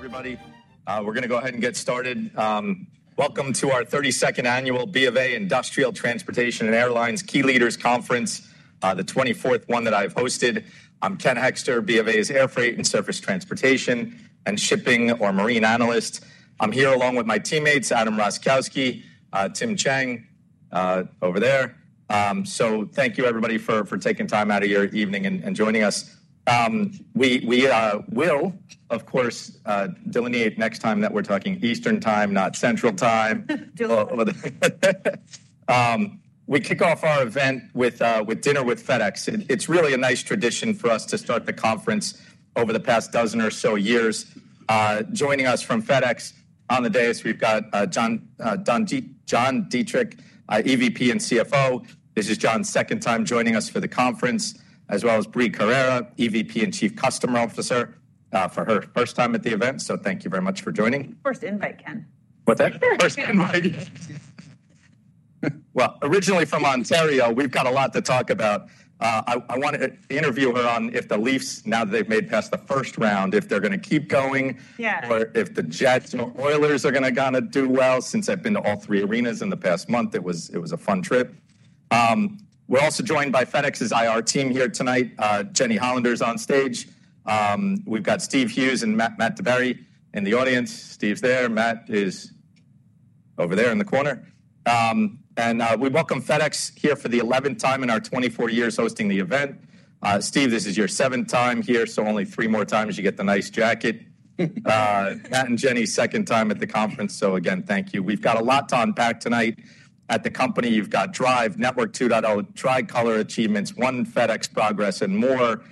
Everybody, we're going to go ahead and get started. Welcome to our 32nd Annual BofA Industrial Transportation and Airlines Key Leaders Conference, the 24th one that I've hosted. I'm Ken Hekster, BofA's Air Freight and Surface Transportation and Shipping or Marine Analyst. I'm here along with my teammates, Adam Roskowski, Tim Chang over there. Thank you, everybody, for taking time out of your evening and joining us. We will, of course, delineate next time that we're talking Eastern Time, not Central Time. We kick off our event with dinner with FedEx. It's really a nice tradition for us to start the conference over the past dozen or so years. Joining us from FedEx on the day is we've got John Dietrich, EVP and CFO. This is John's second time joining us for the conference, as well as Brie Carere, EVP and Chief Customer Officer for her first time at the event. Thank you very much for joining. First invite, Ken. What's that? First invite. Originally from Ontario, we've got a lot to talk about. I want to interview her on if the Leafs, now that they've made it past the first round, if they're going to keep going or if the Jets or Oilers are going to do well, since I've been to all three arenas in the past month. It was a fun trip. We're also joined by FedEx's IR team here tonight. Jenny Hollander is on stage. We've got Steve Hughes and Matthew Berry in the audience. Steve's there. Matt is over there in the corner. We welcome FedEx here for the 11th time in our 24 years hosting the event. Steve, this is your seventh time here, so only three more times. You get the nice jacket. Matt and Jenny, second time at the conference. Again, thank you. We've got a lot to unpack tonight. At the company, you've got Drive, Network 2.0, Tricolor Achievements, One FedEx Progress, and more.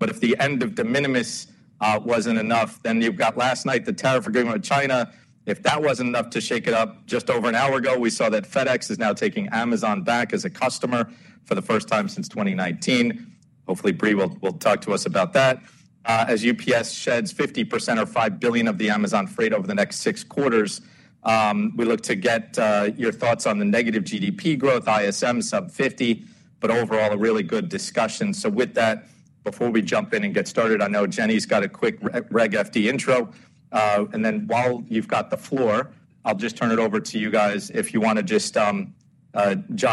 If the end of de minimis was not enough, then you've got last night, the tariff agreement with China. If that was not enough to shake it up, just over an hour ago, we saw that FedEx is now taking Amazon back as a customer for the first time since 2019. Hopefully, Brie will talk to us about that. As UPS sheds 50% or $5 billion of the Amazon freight over the next six quarters, we look to get your thoughts on the negative GDP growth, ISM sub 50, but overall, a really good discussion. With that, before we jump in and get started, I know Jenny's got a quick Reg FD intro. While you've got the floor, I'll just turn it over to you guys if you want to just, John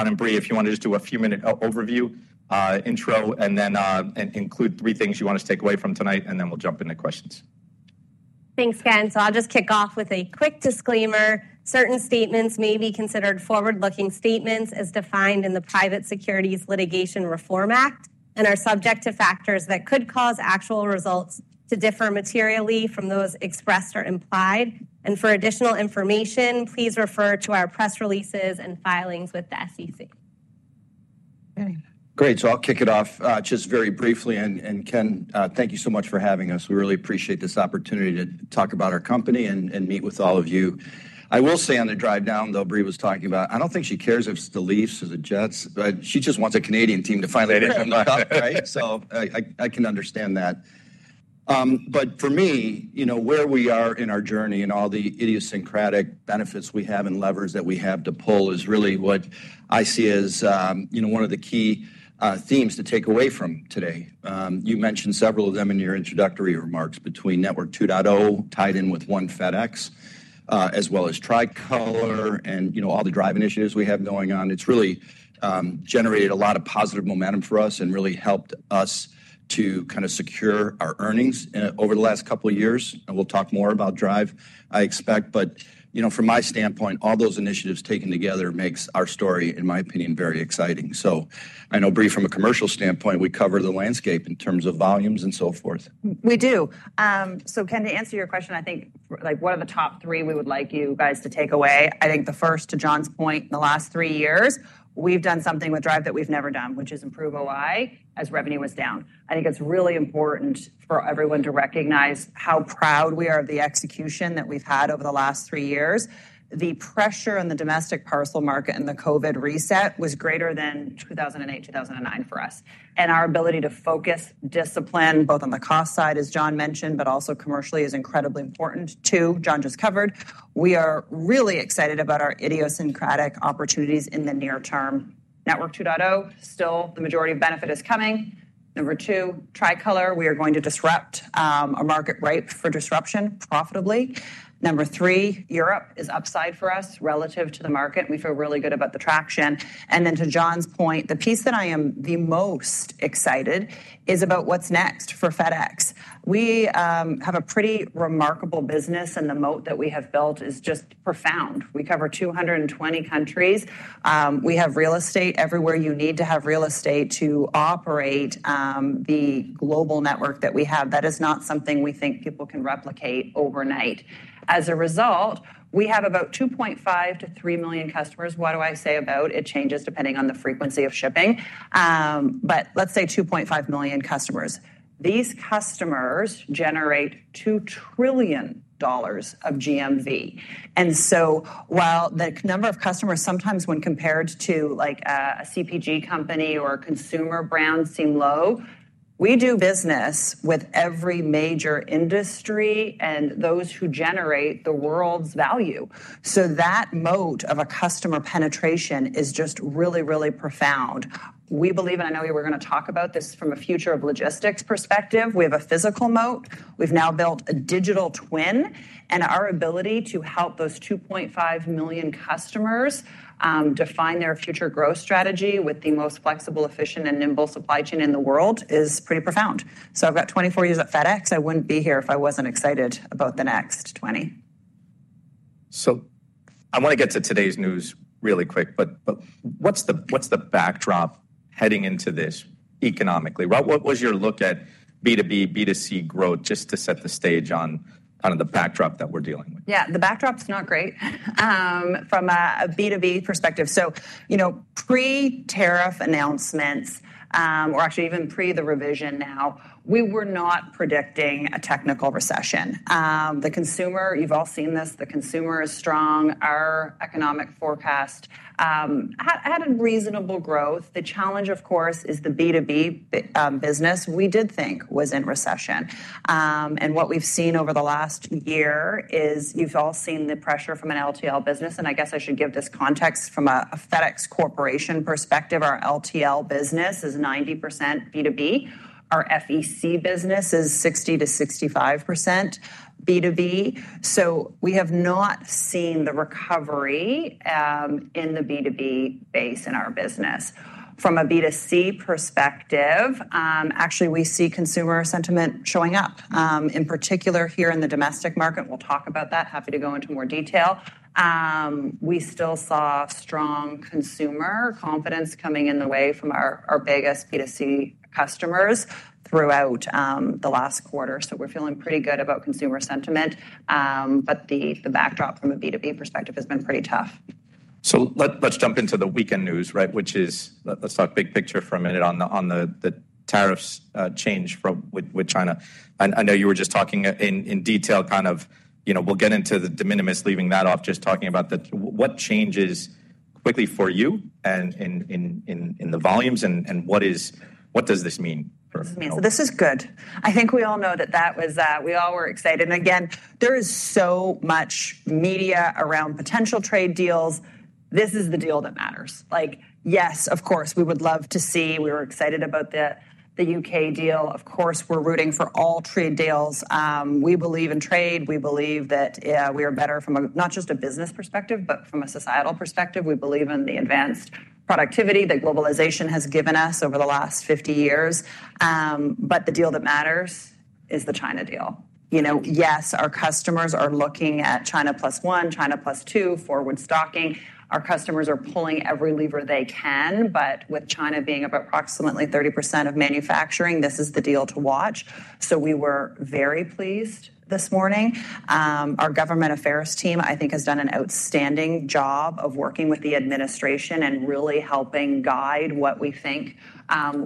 and Brie, if you want to just do a few-minute overview intro and then include three things you want us to take away from tonight, and then we'll jump into questions. Thanks, Ken. I'll just kick off with a quick disclaimer. Certain statements may be considered forward-looking statements as defined in the Private Securities Litigation Reform Act and are subject to factors that could cause actual results to differ materially from those expressed or implied. For additional information, please refer to our press releases and filings with the SEC. Great. I'll kick it off just very briefly. Ken, thank you so much for having us. We really appreciate this opportunity to talk about our company and meet with all of you. I will say on the drive down, though, Brie was talking about, I do not think she cares if it is the Leafs or the Jets, but she just wants a Canadian team to finally come talk, right? I can understand that. For me, you know where we are in our journey and all the idiosyncratic benefits we have and levers that we have to pull is really what I see as one of the key themes to take away from today. You mentioned several of them in your introductory remarks between Network 2.0 tied in with One FedEx, as well as Tricolor and all the Drive initiatives we have going on. It's really generated a lot of positive momentum for us and really helped us to kind of secure our earnings over the last couple of years. We will talk more about Drive, I expect. From my standpoint, all those initiatives taken together makes our story, in my opinion, very exciting. I know Brie from a commercial standpoint, we cover the landscape in terms of volumes and so forth. We do. Ken, to answer your question, I think one of the top three we would like you guys to take away, I think the first, to John's point, in the last three years, we've done something with Drive that we've never done, which is improve OI as revenue was down. I think it's really important for everyone to recognize how proud we are of the execution that we've had over the last three years. The pressure on the domestic parcel market and the COVID reset was greater than 2008, 2009 for us. Our ability to focus, discipline, both on the cost side, as John mentioned, but also commercially is incredibly important too. John just covered. We are really excited about our idiosyncratic opportunities in the near term. Network 2.0, still the majority of benefit is coming. Number two, Tricolor, we are going to disrupt a market ripe for disruption profitably. Number three, Europe is upside for us relative to the market. We feel really good about the traction. To John's point, the piece that I am the most excited is about what's next for FedEx. We have a pretty remarkable business, and the moat that we have built is just profound. We cover 220 countries. We have real estate everywhere you need to have real estate to operate the global network that we have. That is not something we think people can replicate overnight. As a result, we have about 2.5-3 million customers. What do I say about it? It changes depending on the frequency of shipping. Let's say 2.5 million customers. These customers generate $2 trillion of GMV. While the number of customers sometimes when compared to a CPG company or a consumer brand seem low, we do business with every major industry and those who generate the world's value. That moat of a customer penetration is just really, really profound. We believe, and I know we were going to talk about this from a future of logistics perspective, we have a physical moat. We have now built a digital twin. Our ability to help those 2.5 million customers define their future growth strategy with the most flexible, efficient, and nimble supply chain in the world is pretty profound. I have 24 years at FedEx. I would not be here if I was not excited about the next 20. I want to get to today's news really quick. What is the backdrop heading into this economically? What was your look at B2B, B2C growth just to set the stage on kind of the backdrop that we're dealing with? Yeah, the backdrop's not great from a B2B perspective. Pre-tariff announcements, or actually even pre the revision now, we were not predicting a technical recession. The consumer, you've all seen this, the consumer is strong. Our economic forecast had a reasonable growth. The challenge, of course, is the B2B business we did think was in recession. What we've seen over the last year is you've all seen the pressure from an LTL business. I guess I should give this context from a FedEx Corporation perspective. Our LTL business is 90% B2B. Our FEC business is 60%-65% B2B. We have not seen the recovery in the B2B base in our business. From a B2C perspective, actually, we see consumer sentiment showing up, in particular here in the domestic market. We'll talk about that. Happy to go into more detail. We still saw strong consumer confidence coming in the way from our biggest B2C customers throughout the last quarter. We are feeling pretty good about consumer sentiment. The backdrop from a B2B perspective has been pretty tough. Let's jump into the weekend news, right? Let's talk big picture for a minute on the tariffs change with China. I know you were just talking in detail kind of, we'll get into the de minimis leaving that off, just talking about what changes quickly for you in the volumes and what does this mean? This is good. I think we all know that that was that. We all were excited. There is so much media around potential trade deals. This is the deal that matters. Yes, of course, we would love to see. We were excited about the U.K. deal. Of course, we are rooting for all trade deals. We believe in trade. We believe that we are better from not just a business perspective, but from a societal perspective. We believe in the advanced productivity that globalization has given us over the last 50 years. The deal that matters is the China deal. Yes, our customers are looking at China plus one, China plus two, forward stocking. Our customers are pulling every lever they can. With China being about approximately 30% of manufacturing, this is the deal to watch. We were very pleased this morning. Our government affairs team, I think, has done an outstanding job of working with the administration and really helping guide what we think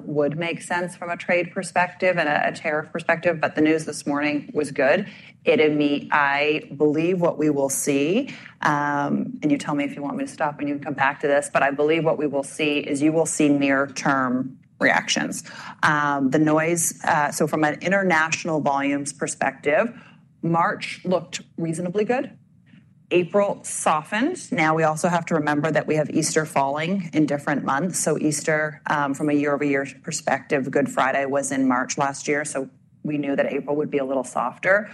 would make sense from a trade perspective and a tariff perspective. The news this morning was good. It and me, I believe what we will see, and you tell me if you want me to stop and you can come back to this, but I believe what we will see is you will see near-term reactions. The noise, so from an international volumes perspective, March looked reasonably good. April softened. Now we also have to remember that we have Easter falling in different months. Easter, from a year-over-year perspective, Good Friday was in March last year. We knew that April would be a little softer.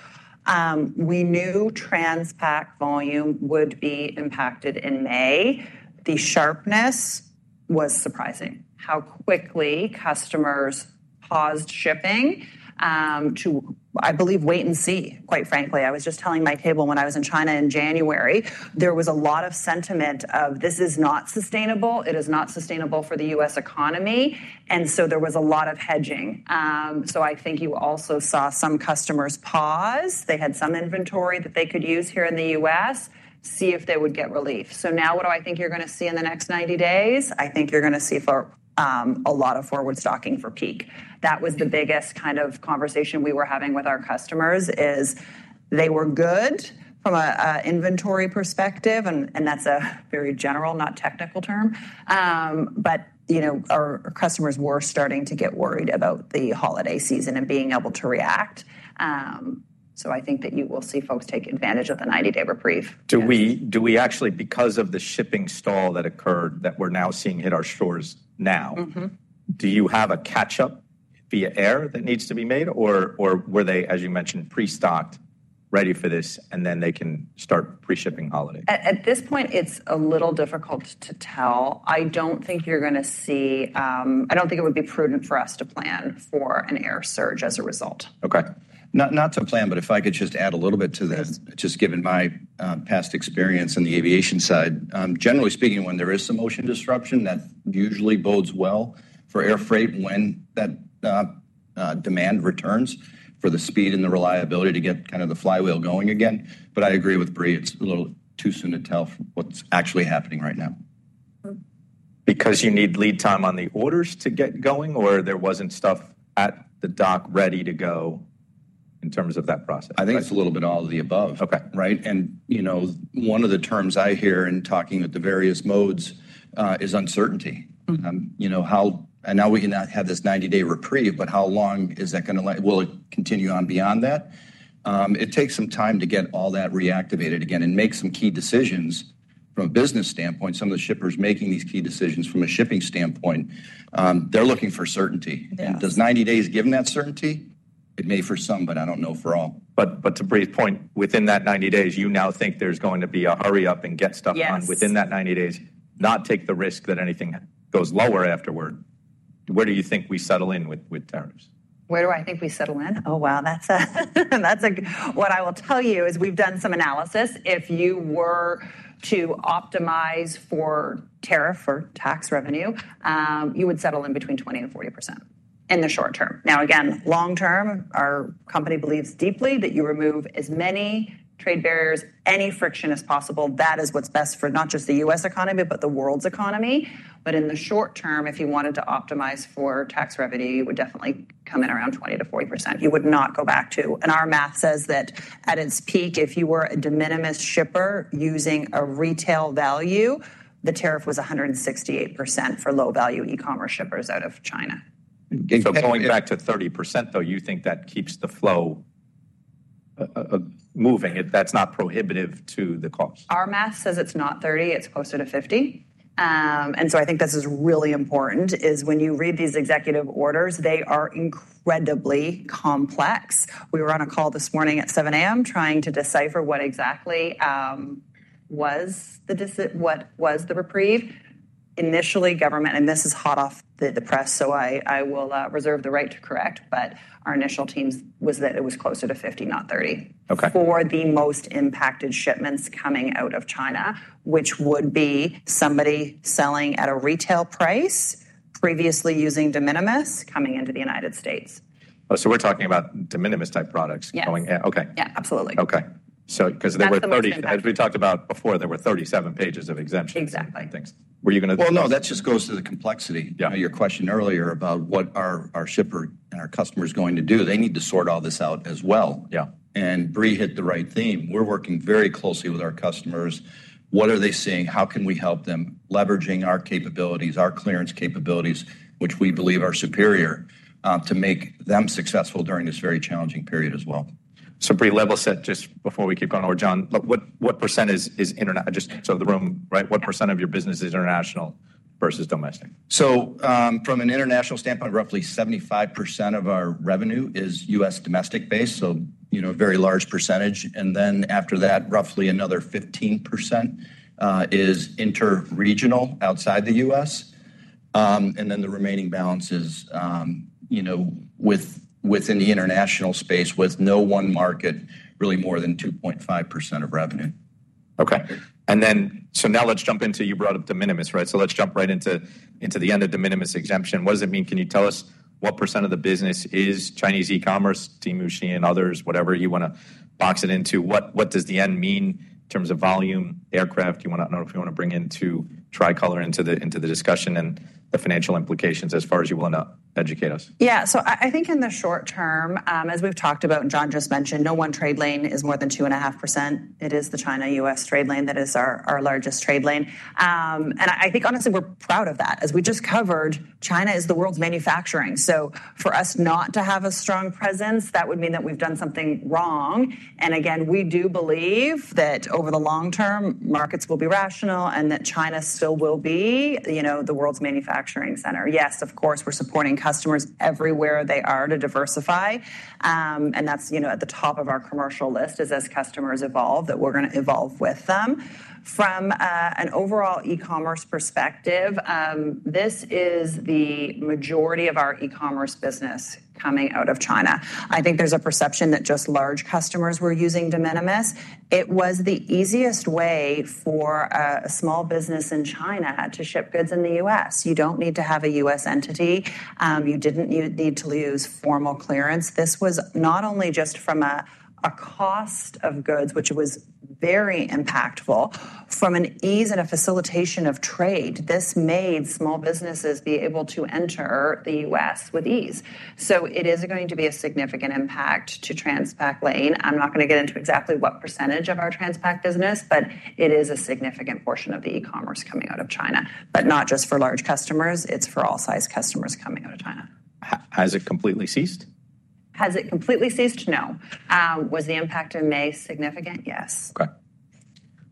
We knew trans-pack volume would be impacted in May. The sharpness was surprising, how quickly customers paused shipping to, I believe, wait and see, quite frankly. I was just telling my table when I was in China in January, there was a lot of sentiment of, this is not sustainable. It is not sustainable for the U.S. economy. There was a lot of hedging. I think you also saw some customers pause. They had some inventory that they could use here in the U.S., see if they would get relief. Now what do I think you're going to see in the next 90 days? I think you're going to see a lot of forward stocking for peak. That was the biggest kind of conversation we were having with our customers is they were good from an inventory perspective. That is a very general, not technical term. Our customers were starting to get worried about the holiday season and being able to react. I think that you will see folks take advantage of the 90-day reprieve. Do we actually, because of the shipping stall that occurred that we're now seeing hit our shores now, do you have a catch-up via air that needs to be made? Or were they, as you mentioned, pre-stocked, ready for this, and then they can start pre-shipping holiday? At this point, it's a little difficult to tell. I don't think you're going to see, I don't think it would be prudent for us to plan for an air surge as a result. Okay. Not to plan, but if I could just add a little bit to that, just given my past experience in the aviation side. Generally speaking, when there is some motion disruption, that usually bodes well for air freight when that demand returns for the speed and the reliability to get kind of the flywheel going again. I agree with Brie, it's a little too soon to tell what's actually happening right now. You need lead time on the orders to get going, or there was not stuff at the dock ready to go in terms of that process? I think it's a little bit all of the above. Okay. Right? One of the terms I hear in talking with the various modes is uncertainty. Now we can have this 90-day reprieve, but how long is that going to continue on beyond that? It takes some time to get all that reactivated again and make some key decisions from a business standpoint. Some of the shippers making these key decisions from a shipping standpoint, they're looking for certainty. Does 90 days give them that certainty? It may for some, but I do not know for all. To Brie's point, within that 90 days, you now think there's going to be a hurry up and get stuff done within that 90 days, not take the risk that anything goes lower afterward. Where do you think we settle in with tariffs? Where do I think we settle in? Oh, wow. What I will tell you is we've done some analysis. If you were to optimize for tariff or tax revenue, you would settle in between 20% and 40% in the short term. Now, again, long term, our company believes deeply that you remove as many trade barriers, any friction as possible. That is what's best for not just the U.S. economy, but the world's economy. In the short term, if you wanted to optimize for tax revenue, you would definitely come in around 20%-40%. You would not go back to, and our math says that at its peak, if you were a de minimis shipper using a retail value, the tariff was 168% for low-value e-commerce shippers out of China. Going back to 30%, though, you think that keeps the flow moving if that's not prohibitive to the cost? Our math says it's not 30%. It's closer to 50%. I think this is really important is when you read these executive orders, they are incredibly complex. We were on a call this morning at 7:00 A.M. trying to decipher what exactly was the reprieve. Initially, government, and this is hot off the press, so I will reserve the right to correct, but our initial team was that it was closer to 50%, not 30% for the most impacted shipments coming out of China, which would be somebody selling at a retail price previously using de minimis coming into the United States. We're talking about de minimis type products going in. Okay. Yeah, absolutely. Okay. Because as we talked about before, there were 37 pages of exemptions. Exactly. Were you going to? That just goes to the complexity. Your question earlier about what are our shipper and our customers going to do, they need to sort all this out as well. Yeah. Brie hit the right theme. We're working very closely with our customers. What are they seeing? How can we help them leveraging our capabilities, our clearance capabilities, which we believe are superior to make them successful during this very challenging period as well? So Brie, level set, just before we keep going over, John, what percent is, so the room, right? What percent of your business is international versus domestic? From an international standpoint, roughly 75% of our revenue is U.S. domestic base, so a very large percentage. Then after that, roughly another 15% is interregional outside the U.S. The remaining balance is within the international space with no one market really more than 2.5% of revenue. Okay. And then now let's jump into, you brought up de minimis, right? Let's jump right into the end of de minimis exemption. What does it mean? Can you tell us what % of the business is Chinese e-commerce, TMUC and others, whatever you want to box it into? What does the end mean in terms of volume, aircraft? If you want to bring in Tricolor into the discussion and the financial implications as far as you want to educate us. Yeah. I think in the short term, as we've talked about, and John just mentioned, no one trade lane is more than 2.5%. It is the China-U.S. trade lane that is our largest trade lane. I think honestly, we're proud of that. As we just covered, China is the world's manufacturing. For us not to have a strong presence, that would mean that we've done something wrong. Again, we do believe that over the long term, markets will be rational and that China still will be the world's manufacturing center. Yes, of course, we're supporting customers everywhere they are to diversify. That's at the top of our commercial list is as customers evolve that we're going to evolve with them. From an overall e-commerce perspective, this is the majority of our e-commerce business coming out of China. I think there's a perception that just large customers were using de minimis. It was the easiest way for a small business in China to ship goods in the US. You don't need to have a U.S. entity. You didn't need to use formal clearance. This was not only just from a cost of goods, which was very impactful, from an ease and a facilitation of trade. This made small businesses be able to enter the U.S. with ease. It is going to be a significant impact to trans-pack lane. I'm not going to get into exactly what percentage of our trans-pack business, but it is a significant portion of the e-commerce coming out of China. Not just for large customers, it's for all size customers coming out of China. Has it completely ceased? Has it completely ceased? No. Was the impact in May significant? Yes. Okay.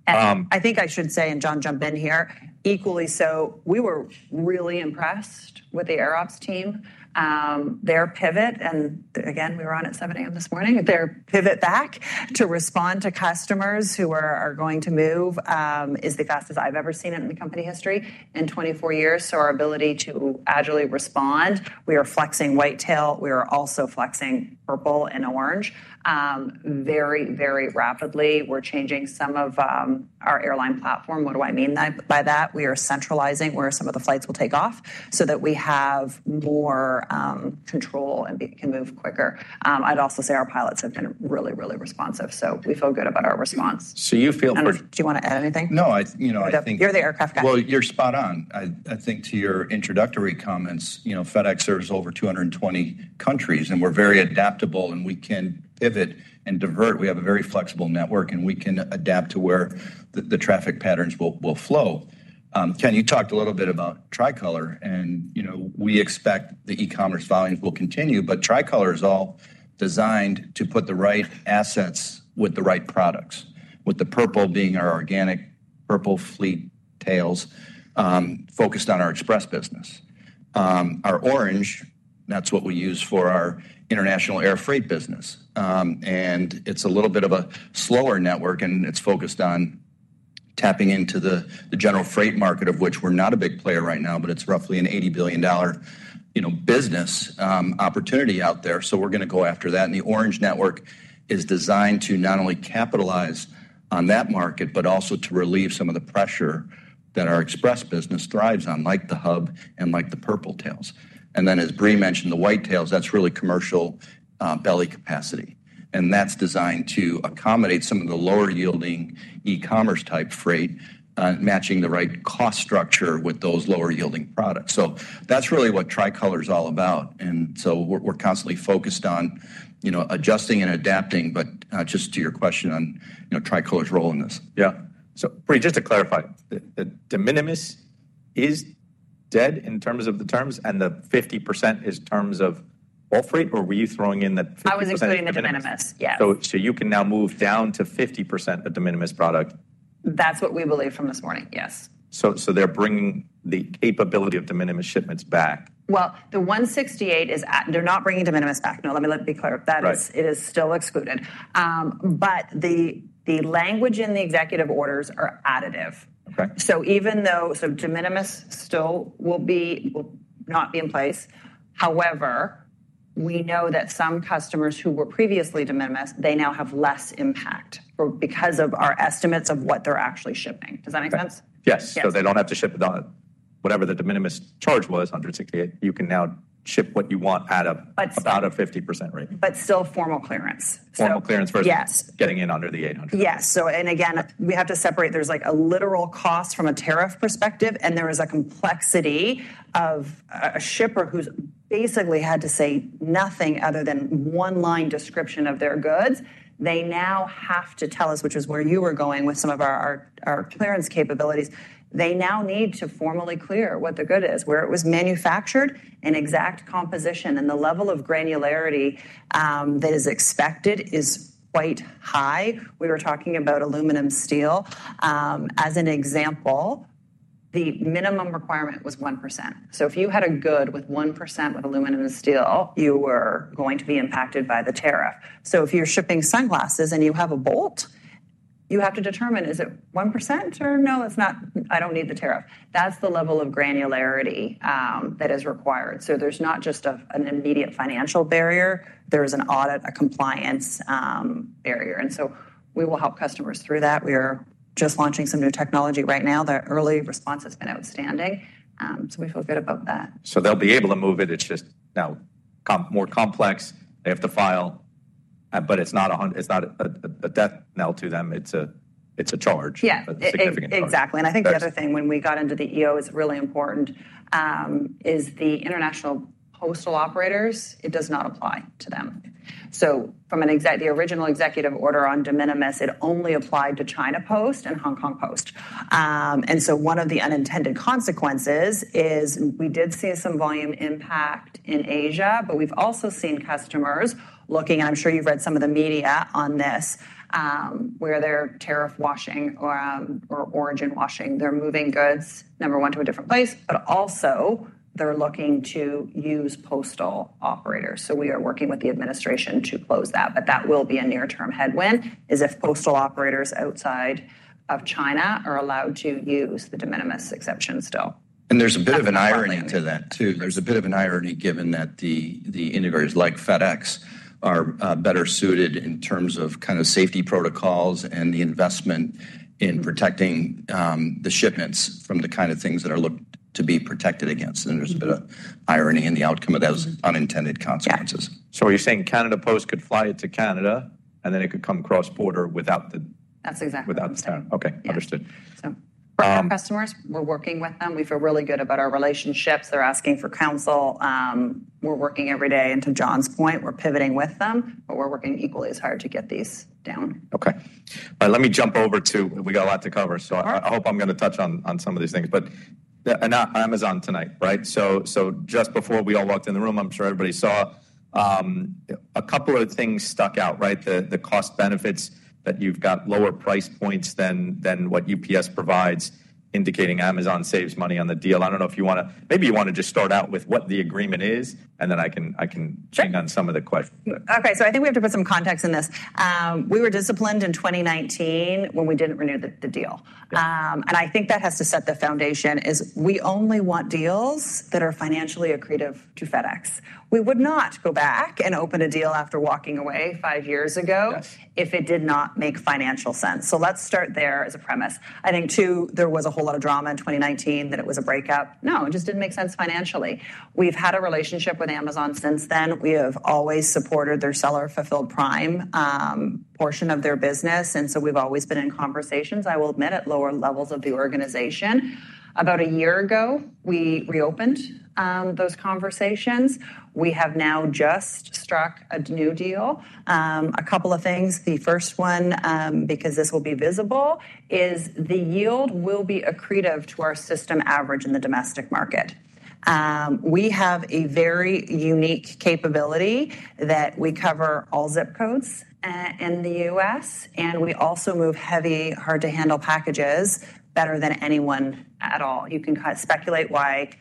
I think I should say, and John, jump in here, equally so, we were really impressed with the AirOps team. Their pivot, and again, we were on at 7:00 A.M. this morning, their pivot back to respond to customers who are going to move is the fastest I've ever seen it in the company history in 24 years. Our ability to agilely respond, we are flexing white tail. We are also flexing purple and orange very, very rapidly. We are changing some of our airline platform. What do I mean by that? We are centralizing where some of the flights will take off so that we have more control and can move quicker. I'd also say our pilots have been really, really responsive. We feel good about our response. You feel. Do you want to add anything? No, I think. You're the aircraft guy. You're spot on. I think to your introductory comments, FedEx serves over 220 countries, and we're very adaptable, and we can pivot and divert. We have a very flexible network, and we can adapt to where the traffic patterns will flow. Ken, you talked a little bit about Tricolor, and we expect the e-commerce volumes will continue, but Tricolor is all designed to put the right assets with the right products, with the purple being our organic purple fleet tails focused on our express business. Our orange, that's what we use for our international air freight business. It's a little bit of a slower network, and it's focused on tapping into the general freight market, of which we're not a big player right now, but it's roughly an $80 billion business opportunity out there. We're going to go after that. The orange network is designed to not only capitalize on that market, but also to relieve some of the pressure that our express business thrives on, like the hub and like the purple tails. As Brie mentioned, the white tails, that's really commercial belly capacity. That's designed to accommodate some of the lower-yielding e-commerce type freight, matching the right cost structure with those lower-yielding products. That's really what tricolor is all about. We're constantly focused on adjusting and adapting, but just to your question on tricolor's role in this. Yeah. Brie, just to clarify, the de minimis is dead in terms of the terms, and the 50% is in terms of all freight, or were you throwing in that 50%? I was including the de minimis. Yeah. You can now move down to 50% of de minimis product. That's what we believe from this morning. Yes. They're bringing the capability of de minimis shipments back. The 168 is, they're not bringing de minimis back. No, let me be clear. It is still excluded. The language in the executive orders are additive. De minimis still will not be in place. However, we know that some customers who were previously de minimis, they now have less impact because of our estimates of what they're actually shipping. Does that make sense? Yes. They do not have to ship whatever the de minimis charge was, $168. You can now ship what you want at about a 50% rate. Still formal clearance. Formal clearance versus getting in under the $800. Yes. Again, we have to separate. There is a literal cost from a tariff perspective, and there is a complexity of a shipper who has basically had to say nothing other than one line description of their goods. They now have to tell us, which is where you were going with some of our clearance capabilities. They now need to formally clear what the good is, where it was manufactured, and exact composition, and the level of granularity that is expected is quite high. We were talking about aluminum steel. As an example, the minimum requirement was 1%. If you had a good with 1% with aluminum and steel, you were going to be impacted by the tariff. If you are shipping sunglasses and you have a bolt, you have to determine, is it 1% or no, it is not, I do not need the tariff. That's the level of granularity that is required. There is not just an immediate financial barrier. There is an audit, a compliance barrier. We will help customers through that. We are just launching some new technology right now. The early response has been outstanding. We feel good about that. They'll be able to move it. It's just now more complex. They have to file, but it's not a death knell to them. It's a charge. It's a significant charge. Exactly. I think the other thing when we got into the EO that is really important is the international postal operators. It does not apply to them. From the original executive order on de minimis, it only applied to China Post and Hong Kong Post. One of the unintended consequences is we did see some volume impact in Asia, but we have also seen customers looking, and I am sure you have read some of the media on this where they are tariff washing or origin washing. They are moving goods, number one, to a different place, but also they are looking to use postal operators. We are working with the administration to close that. That will be a near-term headwind if postal operators outside of China are allowed to use the de minimis exception still. There is a bit of an irony to that too. There is a bit of an irony given that the integrators like FedEx are better suited in terms of kind of safety protocols and the investment in protecting the shipments from the kind of things that are looked to be protected against. There is a bit of irony in the outcome of those unintended consequences. Are you saying Canada Post could fly it to Canada and then it could come cross border without the. That's exactly. Without the tariff. Okay. Understood. For our customers, we're working with them. We feel really good about our relationships. They're asking for counsel. We're working every day. To John's point, we're pivoting with them, but we're working equally as hard to get these down. Okay. Let me jump over to, we got a lot to cover. I hope I'm going to touch on some of these things. Amazon tonight, right? Just before we all walked in the room, I'm sure everybody saw a couple of things stuck out, right? The cost benefits that you've got lower price points than what UPS provides, indicating Amazon saves money on the deal. I do not know if you want to, maybe you want to just start out with what the agreement is, and then I can check on some of the questions. Okay. I think we have to put some context in this. We were disciplined in 2019 when we did not renew the deal. I think that has to set the foundation, we only want deals that are financially accretive to FedEx. We would not go back and open a deal after walking away five years ago if it did not make financial sense. Let's start there as a premise. I think, too, there was a whole lot of drama in 2019 that it was a breakup. No, it just did not make sense financially. We have had a relationship with Amazon since then. We have always supported their seller-fulfilled prime portion of their business. We have always been in conversations, I will admit, at lower levels of the organization. About a year ago, we reopened those conversations. We have now just struck a new deal. A couple of things. The first one, because this will be visible, is the yield will be accretive to our system average in the domestic market. We have a very unique capability that we cover all ZIP codes in the U.S., and we also move heavy, hard-to-handle packages better than anyone at all. You can speculate why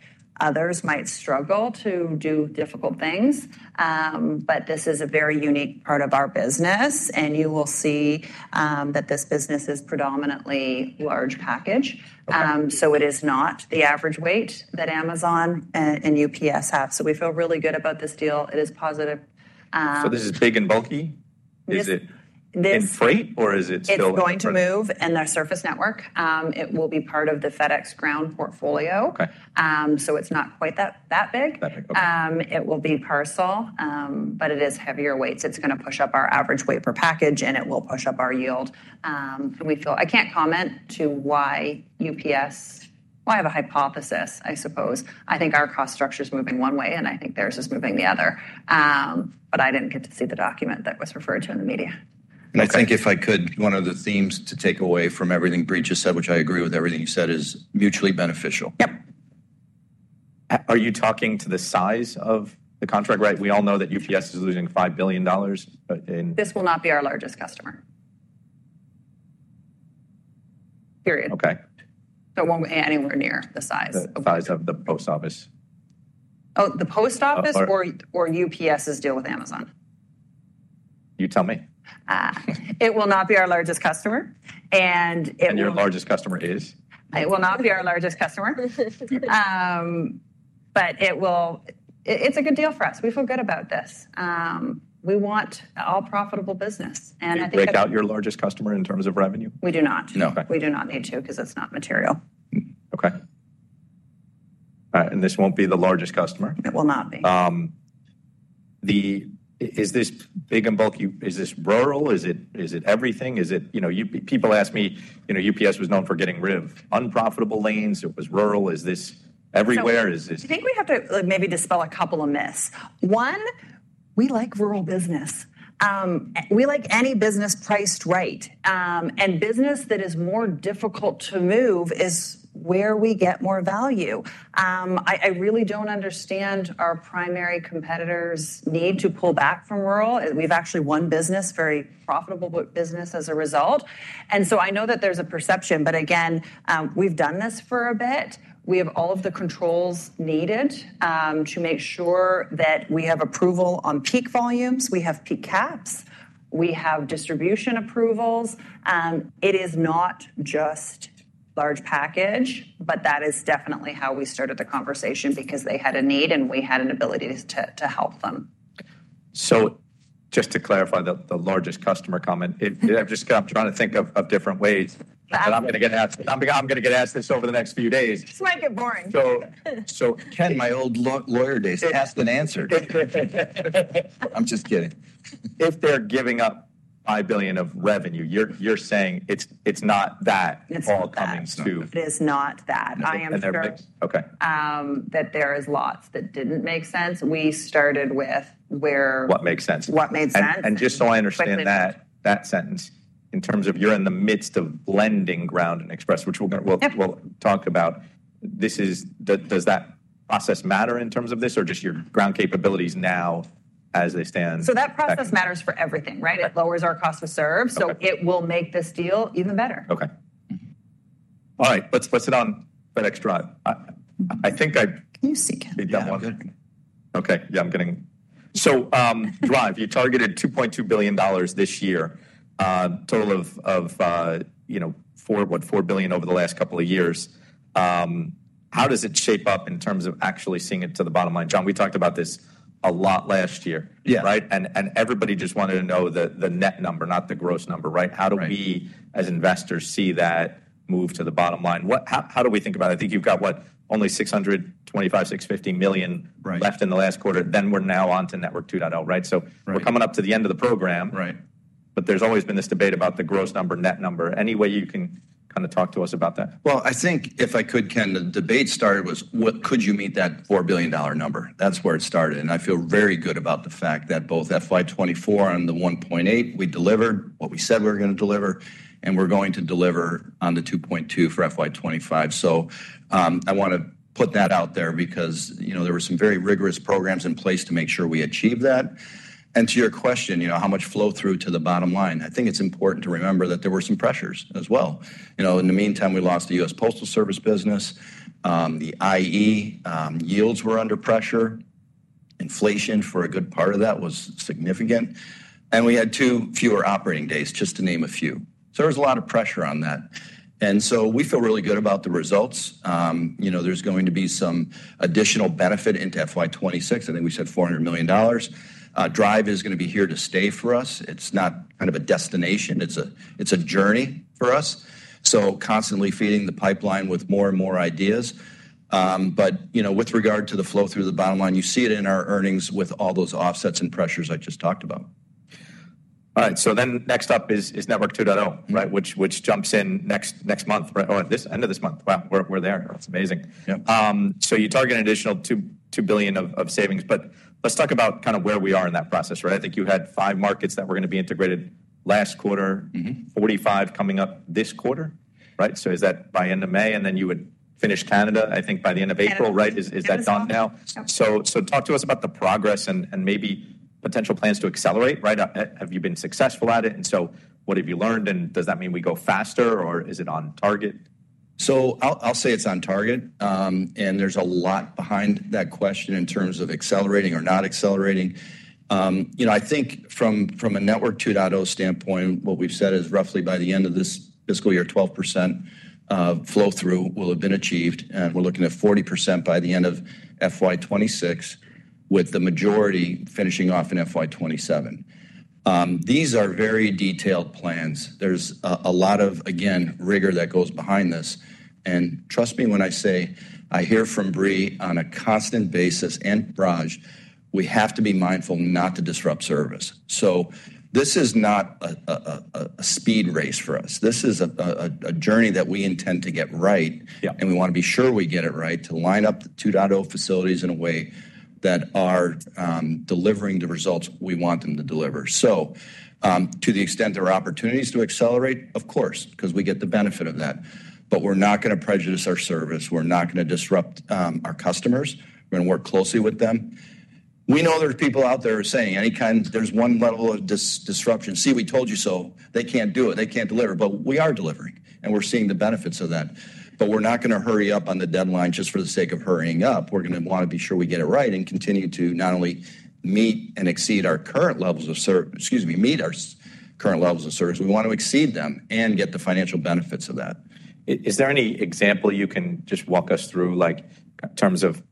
others might struggle to do difficult things, but this is a very unique part of our business. You will see that this business is predominantly large package. It is not the average weight that Amazon and UPS have. We feel really good about this deal. It is positive. Is this big and bulky? Is it in freight, or is it still? It's going to move in their surface network. It will be part of the FedEx Ground portfolio. It's not quite that big. It will be parcel, but it is heavier weights. It's going to push up our average weight per package, and it will push up our yield. I can't comment to why UPS, I have a hypothesis, I suppose. I think our cost structure is moving one way, and I think theirs is moving the other. I didn't get to see the document that was referred to in the media. I think if I could, one of the themes to take away from everything Brie just said, which I agree with everything you said, is mutually beneficial. Yep. Are you talking to the size of the contract, right? We all know that UPS is losing $5 billion. This will not be our largest customer. Period. Okay. It will not be anywhere near the size of. The size of the post office? Oh, the post office or UPS's deal with Amazon? You tell me. It will not be our largest customer. It will. Your largest customer is? It will not be our largest customer. It is a good deal for us. We feel good about this. We want all profitable business. I think that. Do you break out your largest customer in terms of revenue? We do not. No. We do not need to because it's not material. Okay. This won't be the largest customer? It will not be. Is this big and bulky? Is this rural? Is it everything? People ask me, UPS was known for getting rid of unprofitable lanes. It was rural. Is this everywhere? Is this? I think we have to maybe dispel a couple of myths. One, we like rural business. We like any business priced right. And business that is more difficult to move is where we get more value. I really do not understand our primary competitors' need to pull back from rural. We have actually won business, very profitable business as a result. I know that there is a perception, but again, we have done this for a bit. We have all of the controls needed to make sure that we have approval on peak volumes. We have peak caps. We have distribution approvals. It is not just large package, but that is definitely how we started the conversation because they had a need and we had an ability to help them. Just to clarify the largest customer comment, I'm just trying to think of different ways. I'm going to get asked this over the next few days. This might get boring. Ken, my old lawyer days, asked and answered. I'm just kidding. If they're giving up $5 billion of revenue, you're saying it's not that it's all coming to. It is not that. I am sure that there is lots that did not make sense. We started with where. What makes sense? What made sense. Just so I understand that sentence, in terms of you're in the midst of blending Ground and Express, which we'll talk about, does that process matter in terms of this or just your Ground capabilities now as they stand? That process matters for everything, right? It lowers our cost of serve. It will make this deal even better. Okay. All right. Let's put it on FedEx Drive. I think I. Can you see Ken? Okay. Yeah, I'm getting. So Drive, you targeted $2.2 billion this year, total of, what, $4 billion over the last couple of years. How does it shape up in terms of actually seeing it to the bottom line? John, we talked about this a lot last year, right? And everybody just wanted to know the net number, not the gross number, right? How do we as investors see that move to the bottom line? How do we think about it? I think you've got, what, only $625 million-$650 million left in the last quarter. Then we're now on to Network 2.0, right? So we're coming up to the end of the program, but there's always been this debate about the gross number, net number. Any way you can kind of talk to us about that? I think if I could, Ken, the debate started was, what could you meet that $4 billion number? That is where it started. I feel very good about the fact that both FY 2024 and the 1.8, we delivered what we said we were going to deliver, and we are going to deliver on the 2.2 for FY 2025. I want to put that out there because there were some very rigorous programs in place to make sure we achieve that. To your question, how much flow through to the bottom line, I think it is important to remember that there were some pressures as well. In the meantime, we lost the U.S. Postal Service business. The IE yields were under pressure. Inflation for a good part of that was significant. We had two fewer operating days, just to name a few. There was a lot of pressure on that. We feel really good about the results. There is going to be some additional benefit into FY 2026. I think we said $400 million. Drive is going to be here to stay for us. It is not kind of a destination. It is a journey for us, so constantly feeding the pipeline with more and more ideas. With regard to the flow through the bottom line, you see it in our earnings with all those offsets and pressures I just talked about. All right. So then next up is Network 2.0, right, which jumps in next month or at this end of this month. Wow, we're there. That's amazing. You target an additional $2 billion of savings. Let's talk about kind of where we are in that process, right? I think you had five markets that were going to be integrated last quarter, 45 coming up this quarter, right? Is that by end of May? You would finish Canada, I think, by the end of April, right? Is that done now? Talk to us about the progress and maybe potential plans to accelerate, right? Have you been successful at it? What have you learned? Does that mean we go faster or is it on target? I'll say it's on target. There's a lot behind that question in terms of accelerating or not accelerating. I think from a Network 2.0 standpoint, what we've said is roughly by the end of this fiscal year, 12% flow through will have been achieved. We're looking at 40% by the end of FY 2026, with the majority finishing off in FY 2027. These are very detailed plans. There's a lot of, again, rigor that goes behind this. Trust me when I say I hear from Brie on a constant basis and Raj, we have to be mindful not to disrupt service. This is not a speed race for us. This is a journey that we intend to get right, and we want to be sure we get it right to line up the 2.0 facilities in a way that are delivering the results we want them to deliver. To the extent there are opportunities to accelerate, of course, because we get the benefit of that. We are not going to prejudice our service. We are not going to disrupt our customers. We are going to work closely with them. We know there are people out there saying any kind of there's one level of disruption. See, we told you so. They can't do it. They can't deliver. We are delivering. We are seeing the benefits of that. We are not going to hurry up on the deadline just for the sake of hurrying up. We're going to want to be sure we get it right and continue to not only meet and exceed our current levels of service, excuse me, meet our current levels of service. We want to exceed them and get the financial benefits of that. Is there any example you can just walk us through in terms of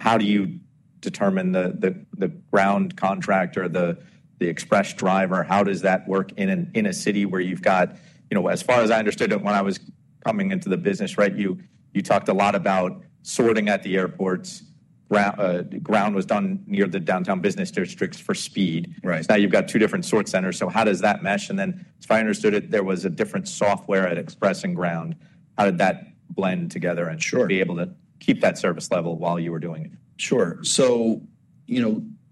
how do you determine the ground contract or the express driver? How does that work in a city where you've got, as far as I understood it when I was coming into the business, right, you talked a lot about sorting at the airports. Ground was done near the downtown business districts for speed. Now you've got two different sort centers. How does that mesh? As far as I understood it, there was a different software at express and ground. How did that blend together and be able to keep that service level while you were doing it? Sure.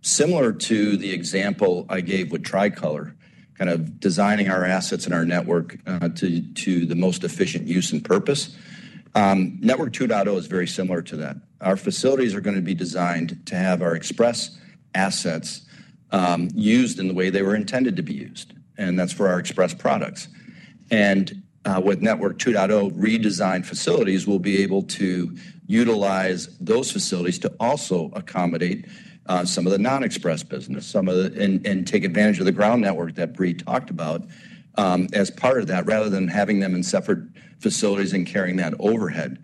Similar to the example I gave with Tricolor, kind of designing our assets and our network to the most efficient use and purpose, Network 2.0 is very similar to that. Our facilities are going to be designed to have our Express assets used in the way they were intended to be used. That is for our Express products. With Network 2.0 redesigned facilities, we'll be able to utilize those facilities to also accommodate some of the non-Express business and take advantage of the Ground network that Brie talked about as part of that, rather than having them in separate facilities and carrying that overhead.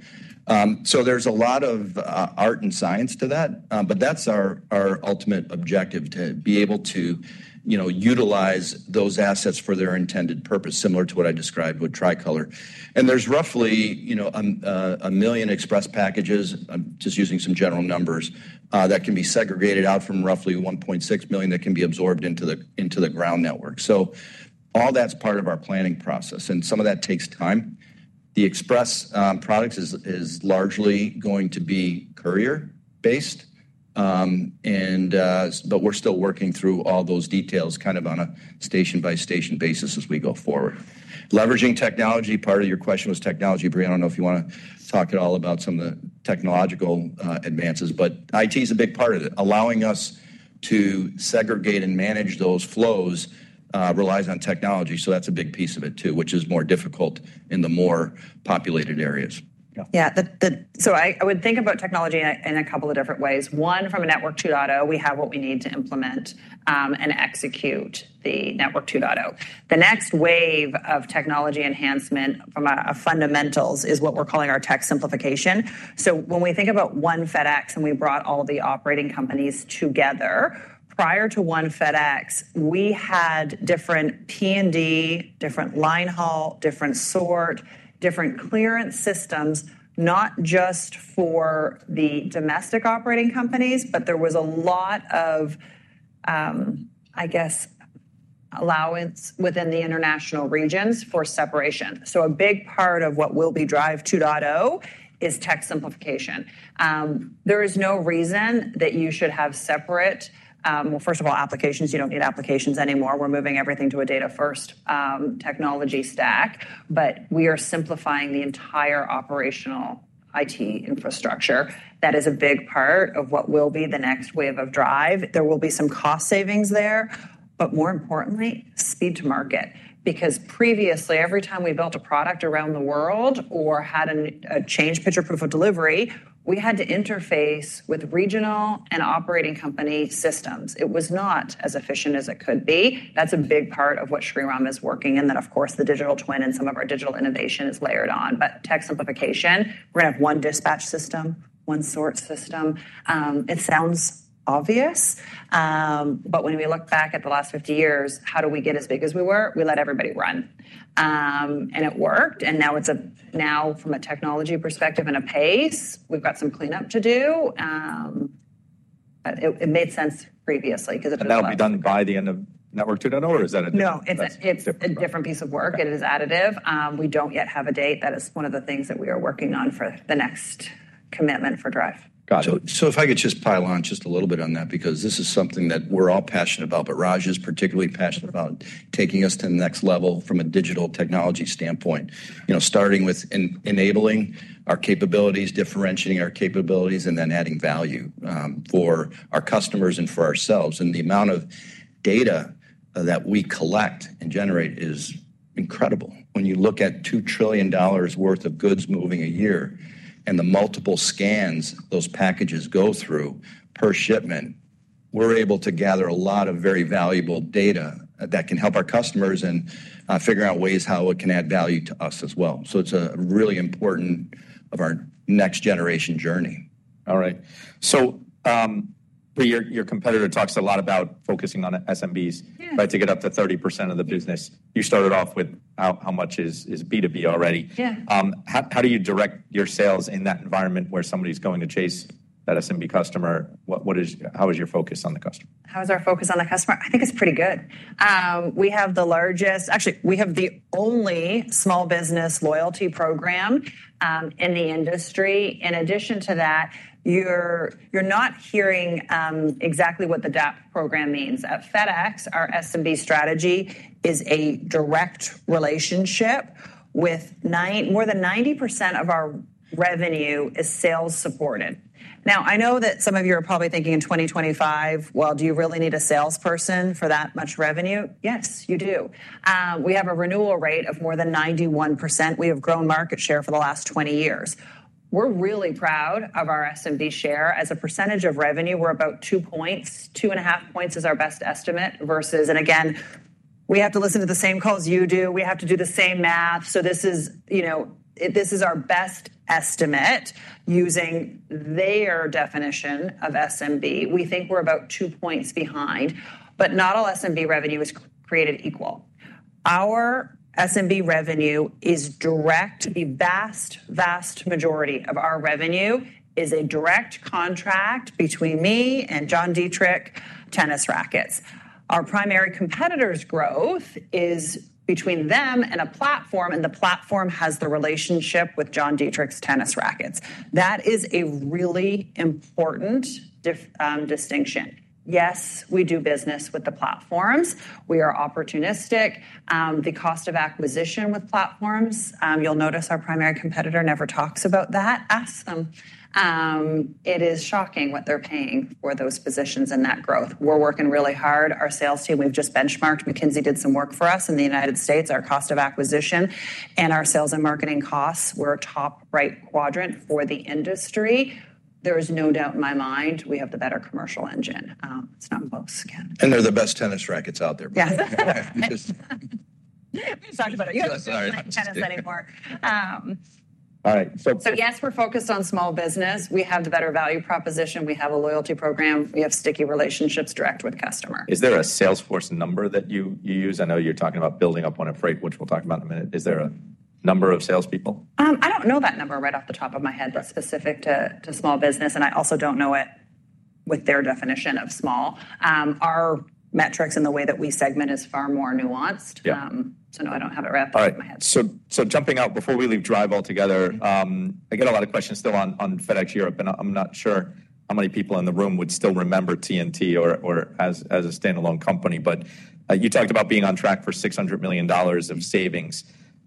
There is a lot of art and science to that, but that's our ultimate objective, to be able to utilize those assets for their intended purpose, similar to what I described with Tricolor. There are roughly a million express packages, just using some general numbers, that can be segregated out from roughly 1.6 million that can be absorbed into the ground network. All that is part of our planning process. Some of that takes time. The express products are largely going to be courier-based. We are still working through all those details kind of on a station-by-station basis as we go forward. Leveraging technology, part of your question was technology, Brie. I do not know if you want to talk at all about some of the technological advances, but IT is a big part of it. Allowing us to segregate and manage those flows relies on technology. That is a big piece of it too, which is more difficult in the more populated areas. Yeah. So I would think about technology in a couple of different ways. One, from a Network 2.0, we have what we need to implement and execute the Network 2.0. The next wave of technology enhancement from our fundamentals is what we're calling our tech simplification. So when we think about One FedEx and we brought all the operating companies together, prior to One FedEx, we had different P&D, different line haul, different sort, different clearance systems, not just for the domestic operating companies, but there was a lot of, I guess, allowance within the international regions for separation. A big part of what will be Drive 2.0 is tech simplification. There is no reason that you should have separate, well, first of all, applications. You do not need applications anymore. We're moving everything to a data-first technology stack. We are simplifying the entire operational IT infrastructure. That is a big part of what will be the next wave of Drive. There will be some cost savings there, but more importantly, speed to market. Because previously, every time we built a product around the world or had a change-pitch or proof of delivery, we had to interface with regional and operating company systems. It was not as efficient as it could be. That is a big part of what Sriram is working in that, of course, the digital twin and some of our digital innovation is layered on. Tech simplification, we are going to have one dispatch system, one sort system. It sounds obvious, but when we look back at the last 50 years, how did we get as big as we were? We let everybody run. It worked. Now from a technology perspective and a pace, we have some cleanup to do. It made sense previously because it was. That'll be done by the end of Network 2.0 or is that a different? No, it's a different piece of work. It is additive. We don't yet have a date. That is one of the things that we are working on for the next commitment for Drive. Got it. If I could just pile on just a little bit on that because this is something that we're all passionate about, Raj is particularly passionate about taking us to the next level from a digital technology standpoint, starting with enabling our capabilities, differentiating our capabilities, and then adding value for our customers and for ourselves. The amount of data that we collect and generate is incredible. When you look at $2 trillion worth of goods moving a year and the multiple scans those packages go through per shipment, we're able to gather a lot of very valuable data that can help our customers and figure out ways how it can add value to us as well. It is a really important part of our next generation journey. All right. Your competitor talks a lot about focusing on SMBs, right, to get up to 30% of the business. You started off with how much is B2B already. How do you direct your sales in that environment where somebody's going to chase that SMB customer? How is your focus on the customer? How is our focus on the customer? I think it's pretty good. We have the largest, actually, we have the only small business loyalty program in the industry. In addition to that, you're not hearing exactly what the DAP program means. At FedEx, our SMB strategy is a direct relationship with more than 90% of our revenue is sales supported. I know that some of you are probably thinking in 2025, do you really need a salesperson for that much revenue? Yes, you do. We have a renewal rate of more than 91%. We have grown market share for the last 20 years. We're really proud of our SMB share. As a percentage of revenue, we're about two points. Two and a half points is our best estimate versus, and again, we have to listen to the same calls you do. We have to do the same math. This is our best estimate using their definition of SMB. We think we're about two points behind, but not all SMB revenue is created equal. Our SMB revenue is direct, the vast, vast majority of our revenue is a direct contract between me and John Dietrich tennis rackets. Our primary competitor's growth is between them and a platform, and the platform has the relationship with John Dietrich's tennis rackets. That is a really important distinction. Yes, we do business with the platforms. We are opportunistic. The cost of acquisition with platforms, you'll notice our primary competitor never talks about that. Ask them. It is shocking what they're paying for those positions and that growth. We're working really hard. Our sales team, we've just benchmarked. McKinsey did some work for us in the United States. Our cost of acquisition and our sales and marketing costs were top right quadrant for the industry. There is no doubt in my mind we have the better commercial engine. It's not close again. They're the best tennis rackets out there. Yeah. We just talked about it. We do not make tennis anymore. All right. Yes, we're focused on small business. We have the better value proposition. We have a loyalty program. We have sticky relationships direct with customers. Is there a Salesforce number that you use? I know you're talking about building up on a freight, which we'll talk about in a minute. Is there a number of salespeople? I don't know that number right off the top of my head, but specific to small business. I also don't know it with their definition of small. Our metrics and the way that we segment is far more nuanced. No, I don't have it right off the top of my head. All right. Jumping out before we leave Drive altogether, I get a lot of questions still on FedEx Europe, and I'm not sure how many people in the room would still remember TNT as a standalone company. You talked about being on track for $600 million of savings.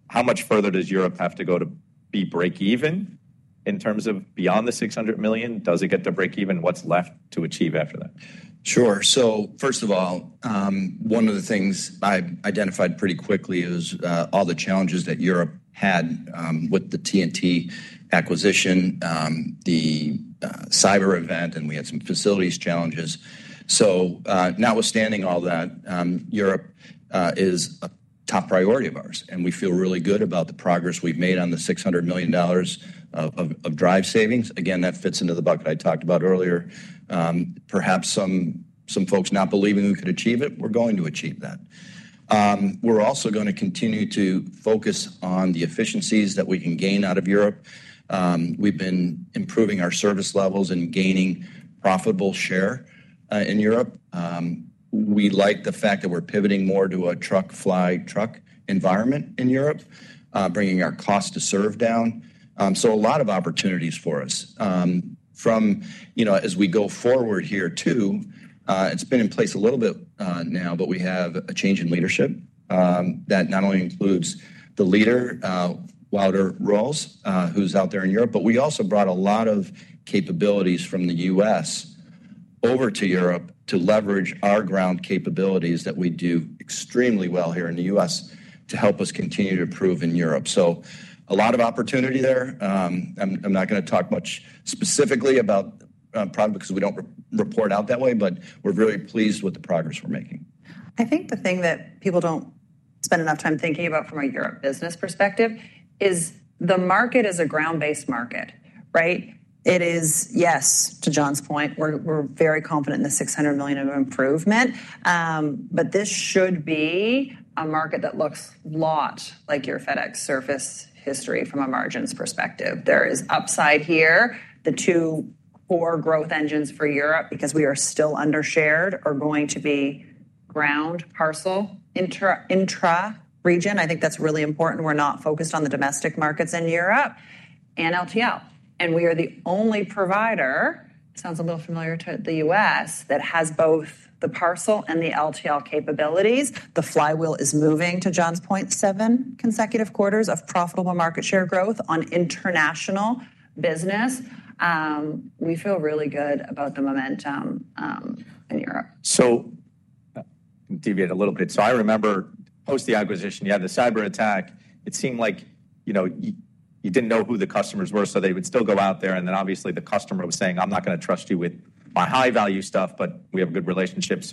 How much further does Europe have to go to be break-even in terms of beyond the $600 million? Does it get to break-even? What's left to achieve after that? Sure. First of all, one of the things I identified pretty quickly is all the challenges that Europe had with the TNT Express acquisition, the cyber event, and we had some facilities challenges. Notwithstanding all that, Europe is a top priority of ours. We feel really good about the progress we have made on the $600 million of Drive savings. Again, that fits into the bucket I talked about earlier. Perhaps some folks not believing we could achieve it, we are going to achieve that. We are also going to continue to focus on the efficiencies that we can gain out of Europe. We have been improving our service levels and gaining profitable share in Europe. We like the fact that we are pivoting more to a truck-fly truck environment in Europe, bringing our cost to serve down. A lot of opportunities for us. As we go forward here too, it's been in place a little bit now, but we have a change in leadership that not only includes the leader, Wilder Rose, who's out there in Europe, but we also brought a lot of capabilities from the U.S. over to Europe to leverage our ground capabilities that we do extremely well here in the U.S. to help us continue to prove in Europe. A lot of opportunity there. I'm not going to talk much specifically about product because we don't report out that way, but we're very pleased with the progress we're making. I think the thing that people do not spend enough time thinking about from a Europe business perspective is the market is a ground-based market, right? It is, yes, to John's point, we are very confident in the $600 million of improvement, but this should be a market that looks a lot like your FedEx service history from a margins perspective. There is upside here. The two core growth engines for Europe because we are still undershared are going to be ground, parcel, intra-region. I think that is really important. We are not focused on the domestic markets in Europe and LTL. We are the only provider, sounds a little familiar to the U.S., that has both the parcel and the LTL capabilities. The flywheel is moving to John's point, seven consecutive quarters of profitable market share growth on international business. We feel really good about the momentum in Europe. I'm going to deviate a little bit. I remember post the acquisition, you had the cyber attack. It seemed like you didn't know who the customers were, so they would still go out there. Then obviously the customer was saying, "I'm not going to trust you with my high-value stuff, but we have a good relationship."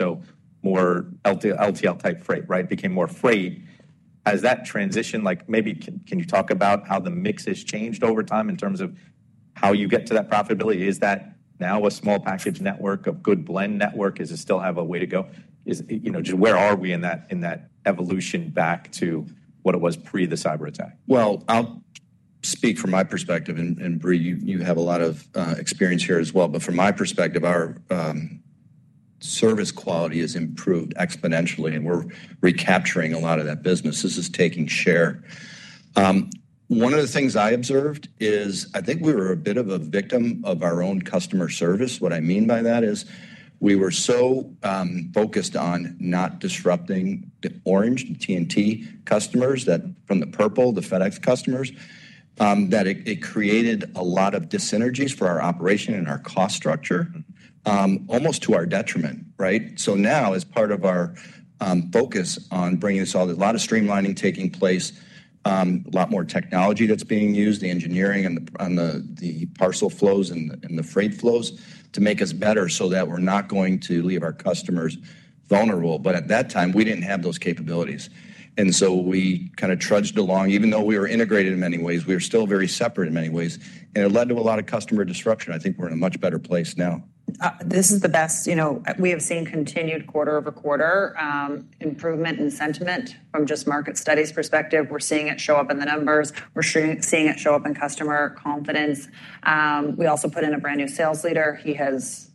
More LTL type freight, right? It became more freight. Has that transition, maybe can you talk about how the mix has changed over time in terms of how you get to that profitability? Is that now a small package network, a good blend network? Does it still have a way to go? Just where are we in that evolution back to what it was pre the cyber attack? I'll speak from my perspective. Brie, you have a lot of experience here as well. From my perspective, our service quality has improved exponentially, and we're recapturing a lot of that business. This is taking share. One of the things I observed is I think we were a bit of a victim of our own customer service. What I mean by that is we were so focused on not disrupting the orange TNT customers that from the purple, the FedEx customers, that it created a lot of dyssynergies for our operation and our cost structure almost to our detriment, right? Now, as part of our focus on bringing this all, there's a lot of streamlining taking place, a lot more technology that's being used, the engineering and the parcel flows and the freight flows to make us better so that we're not going to leave our customers vulnerable. At that time, we did not have those capabilities. We kind of trudged along. Even though we were integrated in many ways, we were still very separate in many ways. It led to a lot of customer disruption. I think we're in a much better place now. This is the best. We have seen continued quarter over quarter improvement in sentiment from just market studies perspective. We're seeing it show up in the numbers. We're seeing it show up in customer confidence. We also put in a brand new sales leader. He is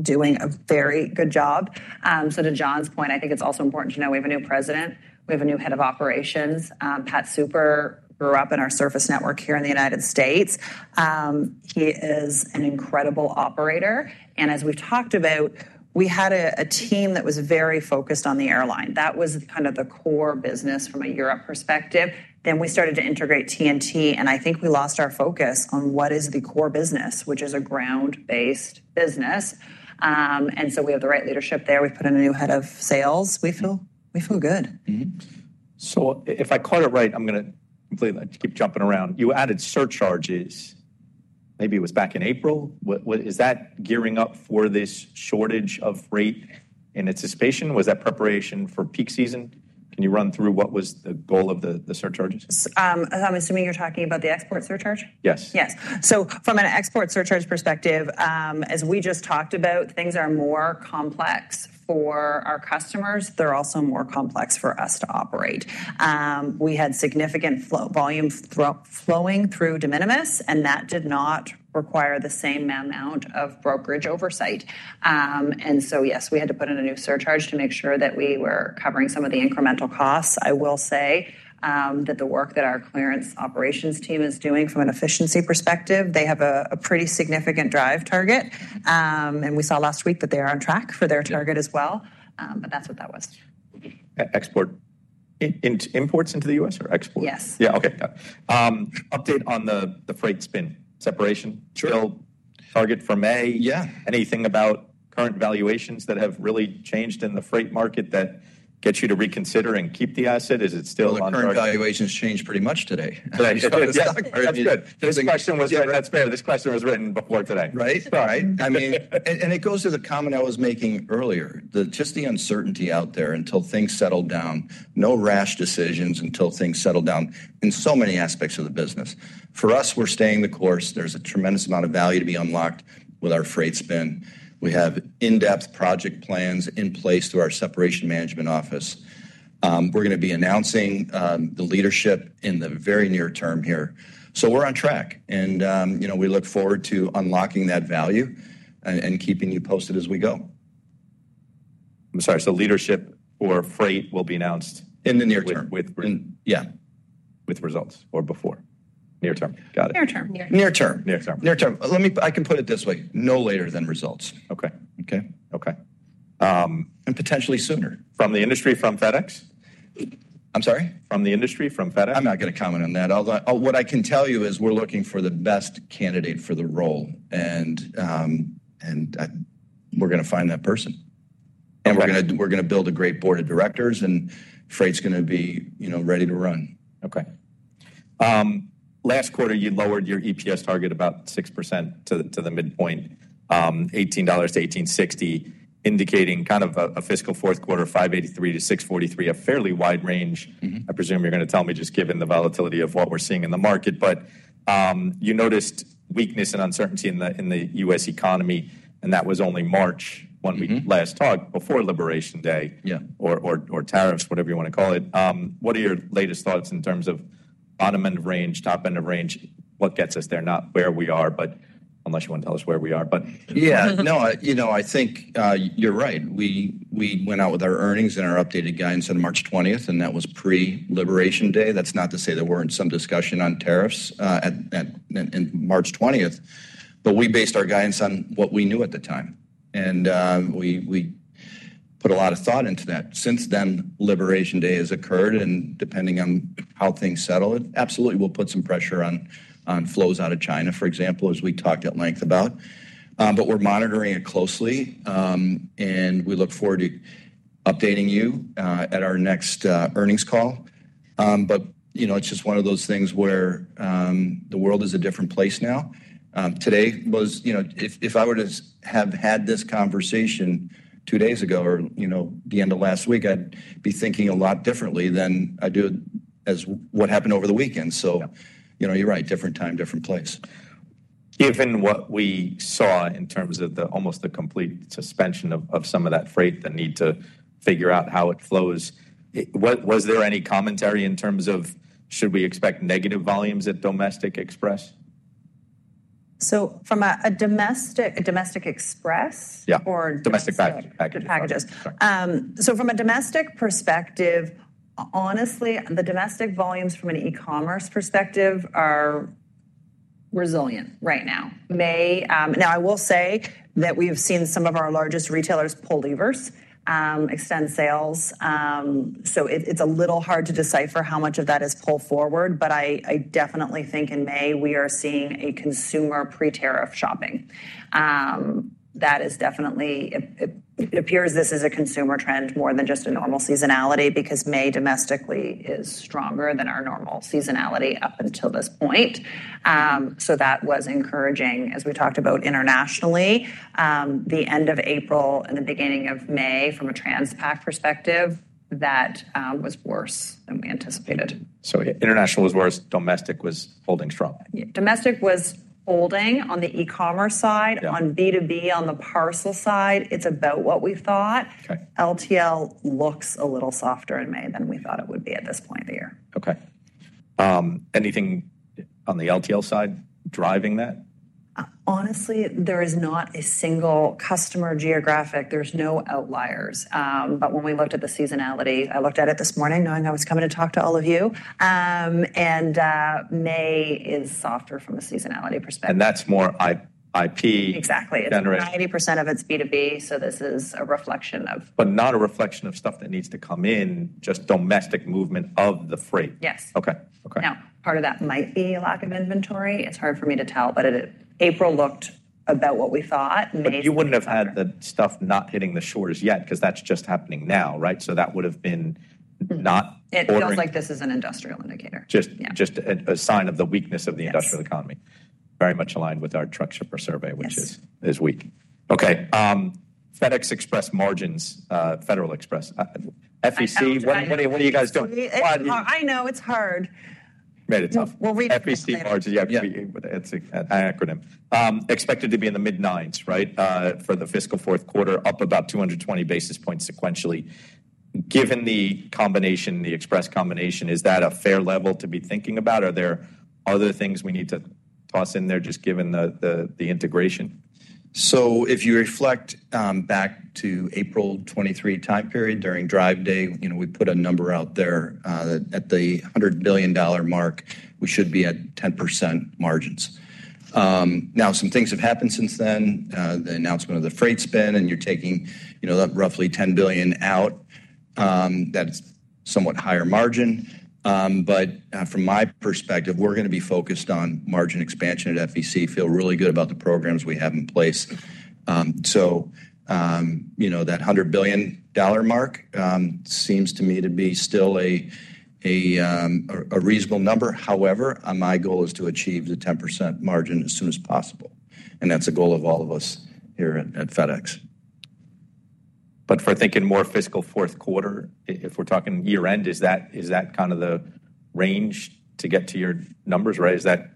doing a very good job. To John's point, I think it's also important to know we have a new president. We have a new head of operations. PAT Super grew up in our service network here in the United States. He is an incredible operator. As we've talked about, we had a team that was very focused on the airline. That was kind of the core business from a Europe perspective. We started to integrate TNT Express, and I think we lost our focus on what is the core business, which is a ground-based business. We have the right leadership there. We've put in a new head of sales. We feel good. If I caught it right, I'm going to completely keep jumping around. You added surcharges. Maybe it was back in April. Is that gearing up for this shortage of freight in anticipation? Was that preparation for peak season? Can you run through what was the goal of the surcharges? I'm assuming you're talking about the export surcharge? Yes. Yes. From an export surcharge perspective, as we just talked about, things are more complex for our customers. They are also more complex for us to operate. We had significant volume flowing through de minimis, and that did not require the same amount of brokerage oversight. Yes, we had to put in a new surcharge to make sure that we were covering some of the incremental costs. I will say that the work that our clearance operations team is doing from an efficiency perspective, they have a pretty significant Drive target. We saw last week that they are on track for their target as well. That is what that was. Export into imports into the U.S. or export? Yes. Yeah. Okay. Update on the freight spin separation, still target for May? Yeah. Anything about current valuations that have really changed in the freight market that gets you to reconsider and keep the asset? Is it still on target? Current valuations changed pretty much today. That's good. This question was written before today. Right? Right. I mean, and it goes to the comment I was making earlier, just the uncertainty out there until things settle down. No rash decisions until things settle down in so many aspects of the business. For us, we're staying the course. There's a tremendous amount of value to be unlocked with our freight spin. We have in-depth project plans in place through our separation management office. We're going to be announcing the leadership in the very near term here. We're on track. We look forward to unlocking that value and keeping you posted as we go. I'm sorry. Leadership for freight will be announced in the near term? Yeah. With results or before near term. Got it. Near term. Near term. Near term. Near term. I can put it this way. No later than results. Okay. Potentially sooner. From the industry, from FedEx? I'm sorry? From the industry, from FedEx? I'm not going to comment on that. What I can tell you is we're looking for the best candidate for the role. We're going to find that person. We're going to build a great board of directors, and freight's going to be ready to run. Okay. Last quarter, you lowered your EPS target about 6% to the midpoint, $18-$18.60, indicating kind of a fiscal fourth quarter, $5.83-$6.43, a fairly wide range. I presume you're going to tell me just given the volatility of what we're seeing in the market. You noticed weakness and uncertainty in the U.S. economy, and that was only March when we last talked before Liberation Day or tariffs, whatever you want to call it. What are your latest thoughts in terms of bottom end of range, top end of range? What gets us there? Not where we are, but unless you want to tell us where we are. Yeah. No, I think you're right. We went out with our earnings and our updated guidance on March 20, and that was pre-Liberation Day. That's not to say there weren't some discussion on tariffs on March 20, but we based our guidance on what we knew at the time. We put a lot of thought into that. Since then, Liberation Day has occurred. Depending on how things settle, it absolutely will put some pressure on flows out of China, for example, as we talked at length about. We're monitoring it closely. We look forward to updating you at our next earnings call. It's just one of those things where the world is a different place now. Today was, if I were to have had this conversation two days ago or the end of last week, I'd be thinking a lot differently than I do as what happened over the weekend. You're right. Different time, different place. Given what we saw in terms of almost the complete suspension of some of that freight, the need to figure out how it flows, was there any commentary in terms of should we expect negative volumes at Domestic Express? From a domestic Express or domestic packages perspective, honestly, the domestic volumes from an e-commerce perspective are resilient right now. I will say that we have seen some of our largest retailers pull levers, extend sales. It is a little hard to decipher how much of that is pulled forward. I definitely think in May, we are seeing a consumer pre-tariff shopping. That is definitely, it appears, a consumer trend more than just a normal seasonality because May domestically is stronger than our normal seasonality up until this point. That was encouraging. As we talked about internationally, the end of April and the beginning of May, from a transpac perspective, that was worse than we anticipated. International was worse. Domestic was holding strong. Domestic was holding on the e-commerce side. On B2B, on the parcel side, it's about what we thought. LTL looks a little softer in May than we thought it would be at this point of the year. Okay. Anything on the LTL side driving that? Honestly, there is not a single customer geographic. There are no outliers. When we looked at the seasonality, I looked at it this morning knowing I was coming to talk to all of you. May is softer from a seasonality perspective. That's more IP. Exactly. It's 90% of it's B2B. So this is a reflection of. Not a reflection of stuff that needs to come in, just domestic movement of the freight. Yes. Okay. Okay. Now, part of that might be a lack of inventory. It's hard for me to tell, but April looked about what we thought. You would not have had the stuff not hitting the shores yet because that is just happening now, right? That would have been not. It feels like this is an industrial indicator. Just a sign of the weakness of the industrial economy. Very much aligned with our truck shipper survey, which is weak. Okay. FedEx Express margins, FedEx. FEC, what are you guys doing? I know. It's hard. Made it tough. FEC margins, yeah, it's an acronym. Expected to be in the mid-9s, right, for the fiscal fourth quarter, up about 220 basis points sequentially. Given the combination, the express combination, is that a fair level to be thinking about? Are there other things we need to toss in there just given the integration? If you reflect back to April 2023 time period during Drive Day, we put a number out there at the $100 billion mark, we should be at 10% margins. Now, some things have happened since then, the announcement of the freight spin, and you're taking roughly $10 billion out. That's somewhat higher margin. From my perspective, we're going to be focused on margin expansion at FEC. Feel really good about the programs we have in place. That $100 billion mark seems to me to be still a reasonable number. However, my goal is to achieve the 10% margin as soon as possible. That's a goal of all of us here at FedEx. For thinking more fiscal fourth quarter, if we're talking year-end, is that kind of the range to get to your numbers, right? Is that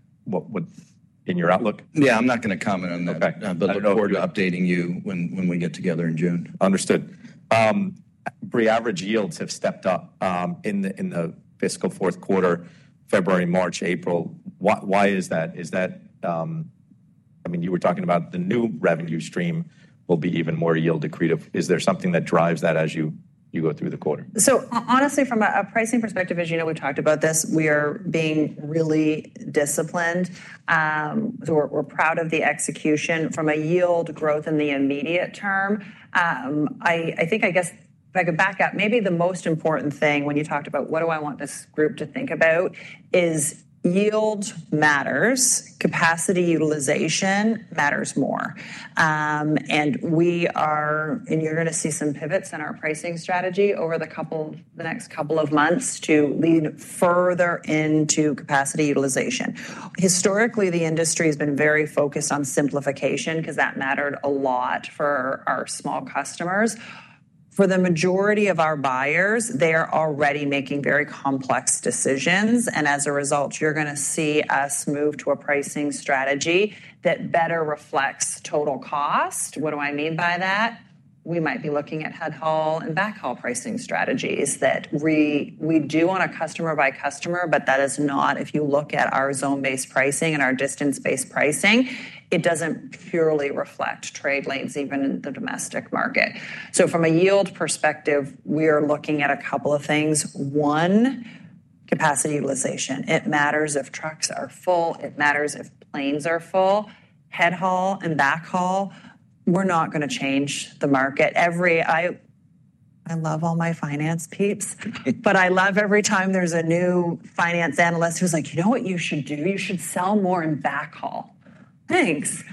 in your outlook? Yeah. I'm not going to comment on that. Look forward to updating you when we get together in June. Understood. Brie, average yields have stepped up in the fiscal fourth quarter, February, March, April. Why is that? I mean, you were talking about the new revenue stream will be even more yield-decretive. Is there something that drives that as you go through the quarter? Honestly, from a pricing perspective, as you know, we've talked about this, we are being really disciplined. We're proud of the execution from a yield growth in the immediate term. I think, I guess, if I could back up, maybe the most important thing when you talked about what do I want this group to think about is yield matters. Capacity utilization matters more. You're going to see some pivots in our pricing strategy over the next couple of months to lean further into capacity utilization. Historically, the industry has been very focused on simplification because that mattered a lot for our small customers. For the majority of our buyers, they are already making very complex decisions. As a result, you're going to see us move to a pricing strategy that better reflects total cost. What do I mean by that? We might be looking at headhaul and backhaul pricing strategies that we do on a customer-by-customer, but that is not, if you look at our zone-based pricing and our distance-based pricing, it does not purely reflect trade lanes, even in the domestic market. From a yield perspective, we are looking at a couple of things. One, capacity utilization. It matters if trucks are full. It matters if planes are full. Headhaul and backhaul, we are not going to change the market. I love all my finance peeps, but I love every time there is a new finance analyst who is like, "You know what you should do? You should sell more in backhaul." Thanks.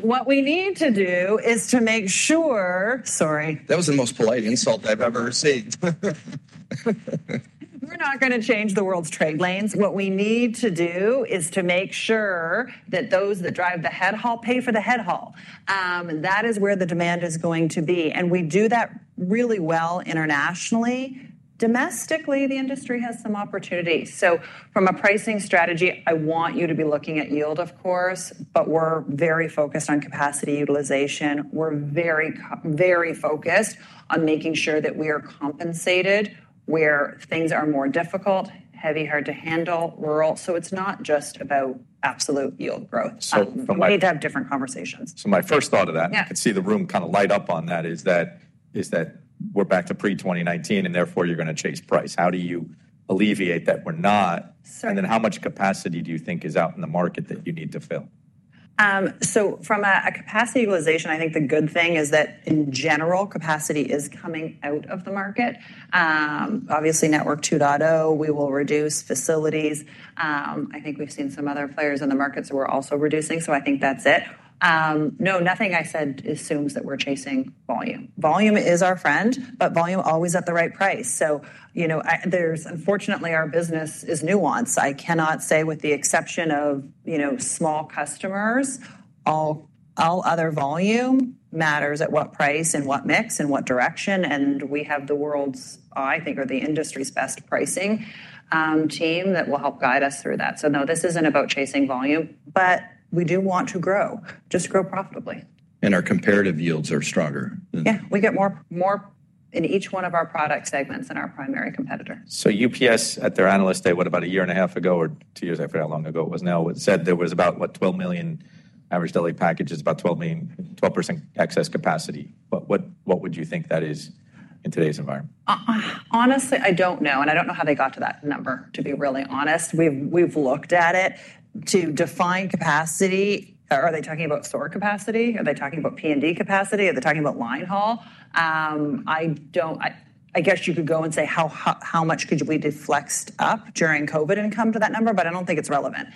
What we need to do is to make sure—sorry. That was the most polite insult I've ever received. We're not going to change the world's trade lanes. What we need to do is to make sure that those that drive the headhaul pay for the headhaul. That is where the demand is going to be. We do that really well internationally. Domestically, the industry has some opportunity. From a pricing strategy, I want you to be looking at yield, of course, but we're very focused on capacity utilization. We're very, very focused on making sure that we are compensated where things are more difficult, heavy-hard to handle, rural. It's not just about absolute yield growth. We need to have different conversations. My first thought of that, I could see the room kind of light up on that, is that we're back to pre-2019, and therefore you're going to chase price. How do you alleviate that we're not? And then how much capacity do you think is out in the market that you need to fill? From a capacity utilization, I think the good thing is that, in general, capacity is coming out of the market. Obviously, Network 2.0, we will reduce facilities. I think we've seen some other players in the markets who are also reducing. I think that's it. No, nothing I said assumes that we're chasing volume. Volume is our friend, but volume always at the right price. Unfortunately, our business is nuanced. I cannot say with the exception of small customers, all other volume matters at what price and what mix and what direction. We have the world's, I think, or the industry's best pricing team that will help guide us through that. No, this isn't about chasing volume, but we do want to grow, just grow profitably. Our comparative yields are stronger. Yeah. We get more in each one of our product segments than our primary competitor. UPS, at their analyst day, what, about a year and a half ago or two years—I forgot how long ago it was now—said there was about, what, 12 million average daily packages, about 12% excess capacity. What would you think that is in today's environment? Honestly, I do not know. I do not know how they got to that number, to be really honest. We have looked at it to define capacity. Are they talking about store capacity? Are they talking about P&D capacity? Are they talking about line haul? I guess you could go and say, how much could we be flexed up during COVID and come to that number? I do not think it is relevant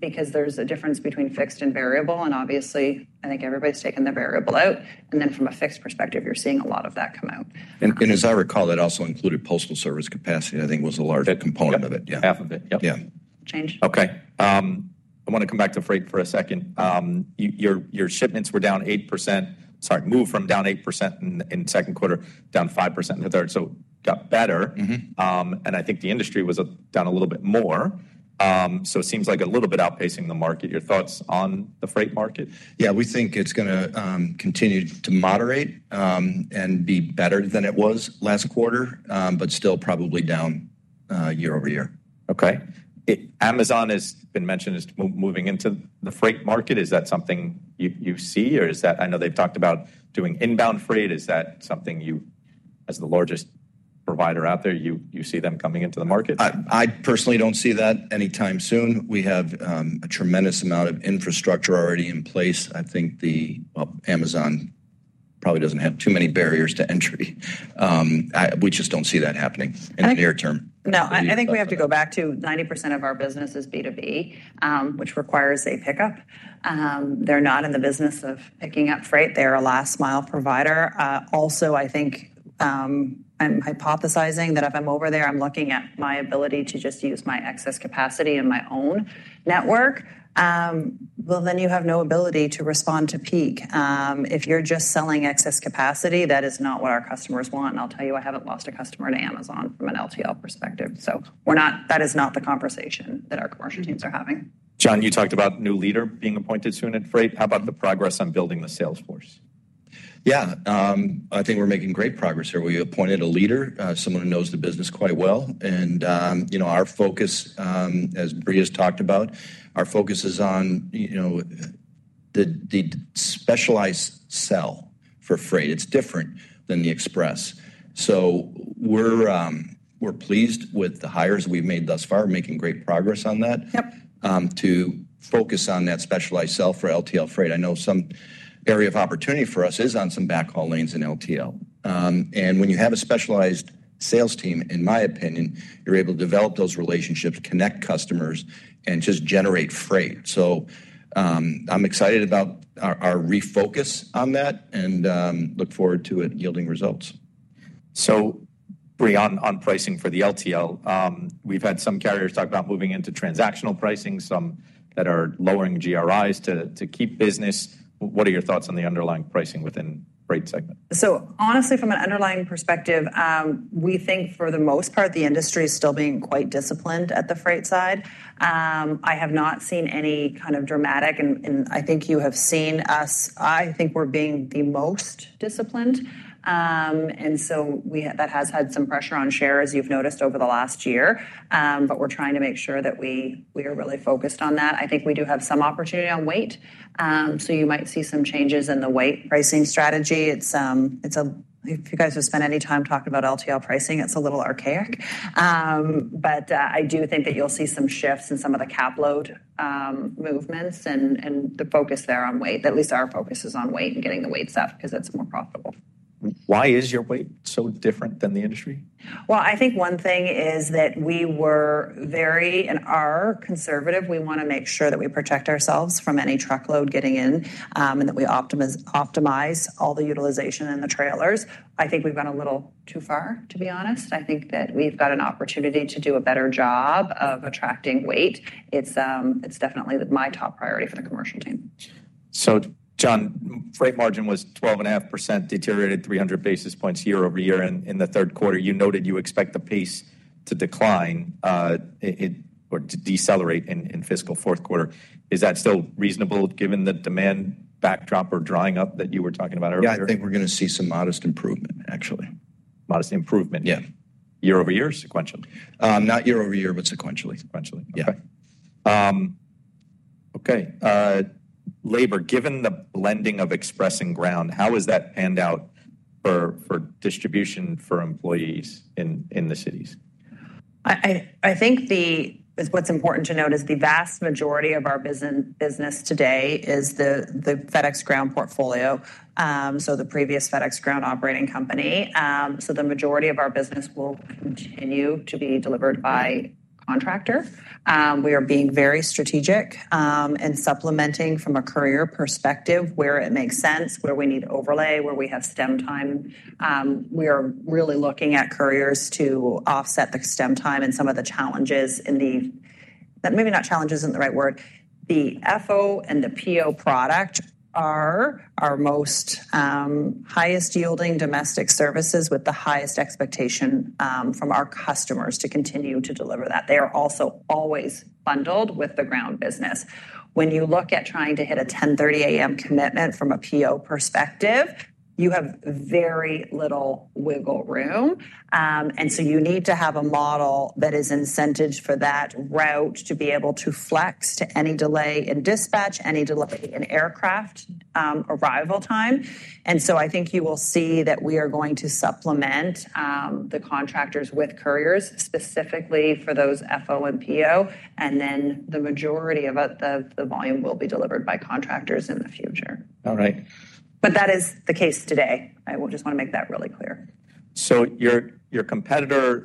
because there is a difference between fixed and variable. Obviously, I think everybody has taken their variable out. From a fixed perspective, you are seeing a lot of that come out. As I recall, that also included postal service capacity, I think, was a large component of it. Half of it. Yeah. Change. Okay. I want to come back to freight for a second. Your shipments were down 8%. Sorry, moved from down 8% in the second quarter down 5% in the third. So got better. I think the industry was down a little bit more. It seems like a little bit outpacing the market. Your thoughts on the freight market? Yeah. We think it's going to continue to moderate and be better than it was last quarter, but still probably down year over year. Okay. Amazon has been mentioned as moving into the freight market. Is that something you see? Or I know they've talked about doing inbound freight. Is that something you, as the largest provider out there, you see them coming into the market? I personally don't see that anytime soon. We have a tremendous amount of infrastructure already in place. I think Amazon probably doesn't have too many barriers to entry. We just don't see that happening in the near term. No. I think we have to go back to 90% of our business is B2B, which requires a pickup. They are not in the business of picking up freight. They are a last-mile provider. Also, I think I am hypothesizing that if I am over there, I am looking at my ability to just use my excess capacity in my own network. You have no ability to respond to peak. If you are just selling excess capacity, that is not what our customers want. I will tell you, I have not lost a customer to Amazon from an LTL perspective. That is not the conversation that our commercial teams are having. John, you talked about new leader being appointed soon at Freight. How about the progress on building the sales force? Yeah. I think we're making great progress here. We appointed a leader, someone who knows the business quite well. Our focus, as Brie has talked about, our focus is on the specialized sell for freight. It's different than the express. We're pleased with the hires we've made thus far, making great progress on that, to focus on that specialized sell for LTL freight. I know some area of opportunity for us is on some backhaul lanes in LTL. When you have a specialized sales team, in my opinion, you're able to develop those relationships, connect customers, and just generate freight. I'm excited about our refocus on that and look forward to it yielding results. Brie, on pricing for the LTL, we've had some carriers talk about moving into transactional pricing, some that are lowering GRIs to keep business. What are your thoughts on the underlying pricing within freight segment? Honestly, from an underlying perspective, we think for the most part, the industry is still being quite disciplined at the freight side. I have not seen any kind of dramatic, and I think you have seen us. I think we are being the most disciplined. That has had some pressure on shares, you have noticed, over the last year. We are trying to make sure that we are really focused on that. I think we do have some opportunity on weight. You might see some changes in the weight pricing strategy. If you guys have spent any time talking about LTL pricing, it is a little archaic. I do think that you will see some shifts in some of the cap load movements and the focus there on weight. At least our focus is on weight and getting the weight stuff because it is more profitable. Why is your weight so different than the industry? I think one thing is that we were very and are conservative. We want to make sure that we protect ourselves from any truckload getting in and that we optimize all the utilization in the trailers. I think we've gone a little too far, to be honest. I think that we've got an opportunity to do a better job of attracting weight. It's definitely my top priority for the commercial team. John, freight margin was 12.5%, deteriorated 300 basis points year over year in the third quarter. You noted you expect the pace to decline or to decelerate in fiscal fourth quarter. Is that still reasonable given the demand backdrop or drying up that you were talking about earlier? Yeah. I think we're going to see some modest improvement, actually. Modest improvement. Yeah. Year over year, sequentially? Not year over year, but sequentially. Sequentially. Okay. Okay. Labor, given the blending of Express and Ground, how has that panned out for distribution for employees in the cities? I think what's important to note is the vast majority of our business today is the FedEx Ground portfolio, so the previous FedEx Ground operating company. The majority of our business will continue to be delivered by contractor. We are being very strategic in supplementing from a courier perspective where it makes sense, where we need overlay, where we have stem time. We are really looking at couriers to offset the stem time and some of the challenges in the—maybe not challenges is not the right word. The FO and the PO product are our most highest yielding domestic services with the highest expectation from our customers to continue to deliver that. They are also always bundled with the ground business. When you look at trying to hit a 10:30 A.M. commitment from a PO perspective, you have very little wiggle room. You need to have a model that is incentived for that route to be able to flex to any delay in dispatch, any delay in aircraft arrival time. I think you will see that we are going to supplement the contractors with couriers specifically for those FO and PO. The majority of the volume will be delivered by contractors in the future. All right. That is the case today. I just want to make that really clear. Your competitor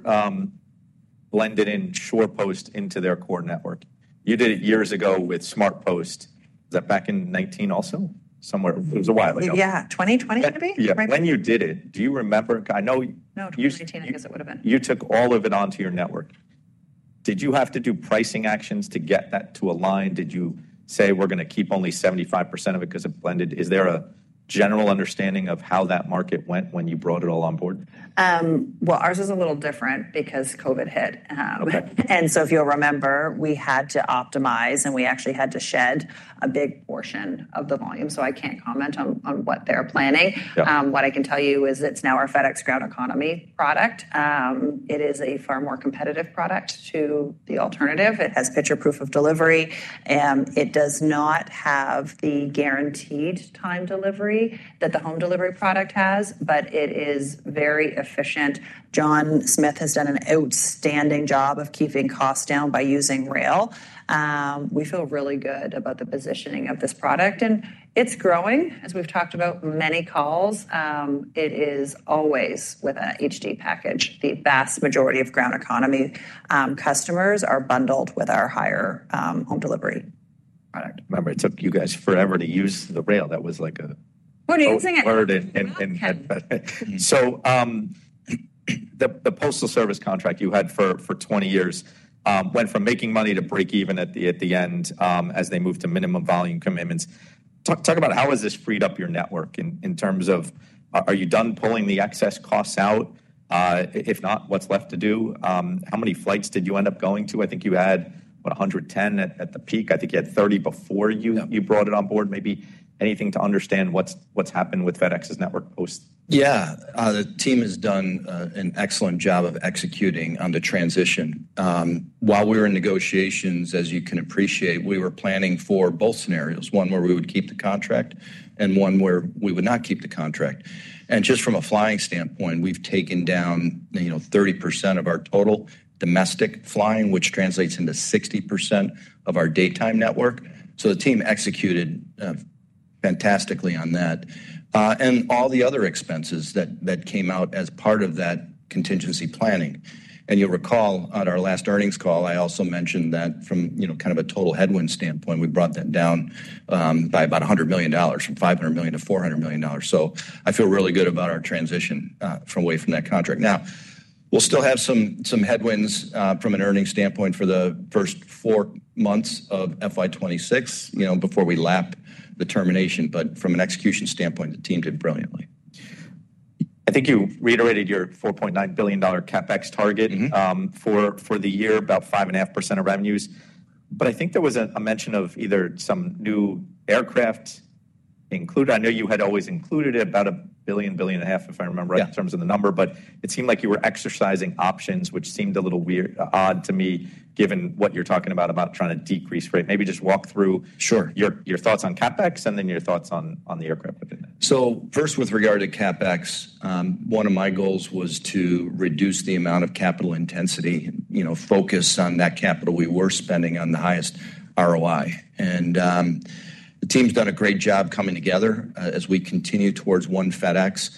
blended in SurePost into their core network. You did it years ago with SmartPost. Is that back in 2019 also? Somewhere, it was a while ago. Yeah. 2020, maybe? Yeah. When you did it, do you remember? I know. No, 2019, I guess it would have been. You took all of it onto your network. Did you have to do pricing actions to get that to align? Did you say, "We're going to keep only 75% of it because it blended"? Is there a general understanding of how that market went when you brought it all on board? Ours is a little different because COVID hit. If you'll remember, we had to optimize, and we actually had to shed a big portion of the volume. I can't comment on what they're planning. What I can tell you is it's now our FedEx Ground Economy product. It is a far more competitive product to the alternative. It has picture proof of delivery. It does not have the guaranteed time delivery that the Home Delivery product has, but it is very efficient. John Smith has done an outstanding job of keeping costs down by using rail. We feel really good about the positioning of this product. It's growing. As we've talked about many calls, it is always with an HD package. The vast majority of Ground Economy customers are bundled with our higher Home Delivery product. Remember, it took you guys forever to use the rail. That was like a—. What are you saying? The postal service contract you had for 20 years went from making money to break even at the end as they moved to minimum volume commitments. Talk about how has this freed up your network in terms of, are you done pulling the excess costs out? If not, what's left to do? How many flights did you end up going to? I think you had, what, 110 at the peak. I think you had 30 before you brought it on board. Maybe anything to understand what's happened with FedEx's network post? Yeah. The team has done an excellent job of executing on the transition. While we were in negotiations, as you can appreciate, we were planning for both scenarios, one where we would keep the contract and one where we would not keep the contract. Just from a flying standpoint, we have taken down 30% of our total domestic flying, which translates into 60% of our daytime network. The team executed fantastically on that and all the other expenses that came out as part of that contingency planning. You will recall on our last earnings call, I also mentioned that from kind of a total headwind standpoint, we brought that down by about $100 million, from $500 million to $400 million. I feel really good about our transition away from that contract. Now, we'll still have some headwinds from an earnings standpoint for the first four months of FY 2026 before we lap the termination. From an execution standpoint, the team did brilliantly. I think you reiterated your $4.9 billion CapEx target for the year, about 5.5% of revenues. I think there was a mention of either some new aircraft included. I know you had always included about $1 billion-$1.5 billion, if I remember right, in terms of the number. It seemed like you were exercising options, which seemed a little odd to me given what you're talking about, about trying to decrease freight. Maybe just walk through your thoughts on CapEx and then your thoughts on the aircraft within that. First, with regard to CapEx, one of my goals was to reduce the amount of capital intensity, focus on that capital we were spending on the highest ROI. The team's done a great job coming together as we continue towards one FedEx.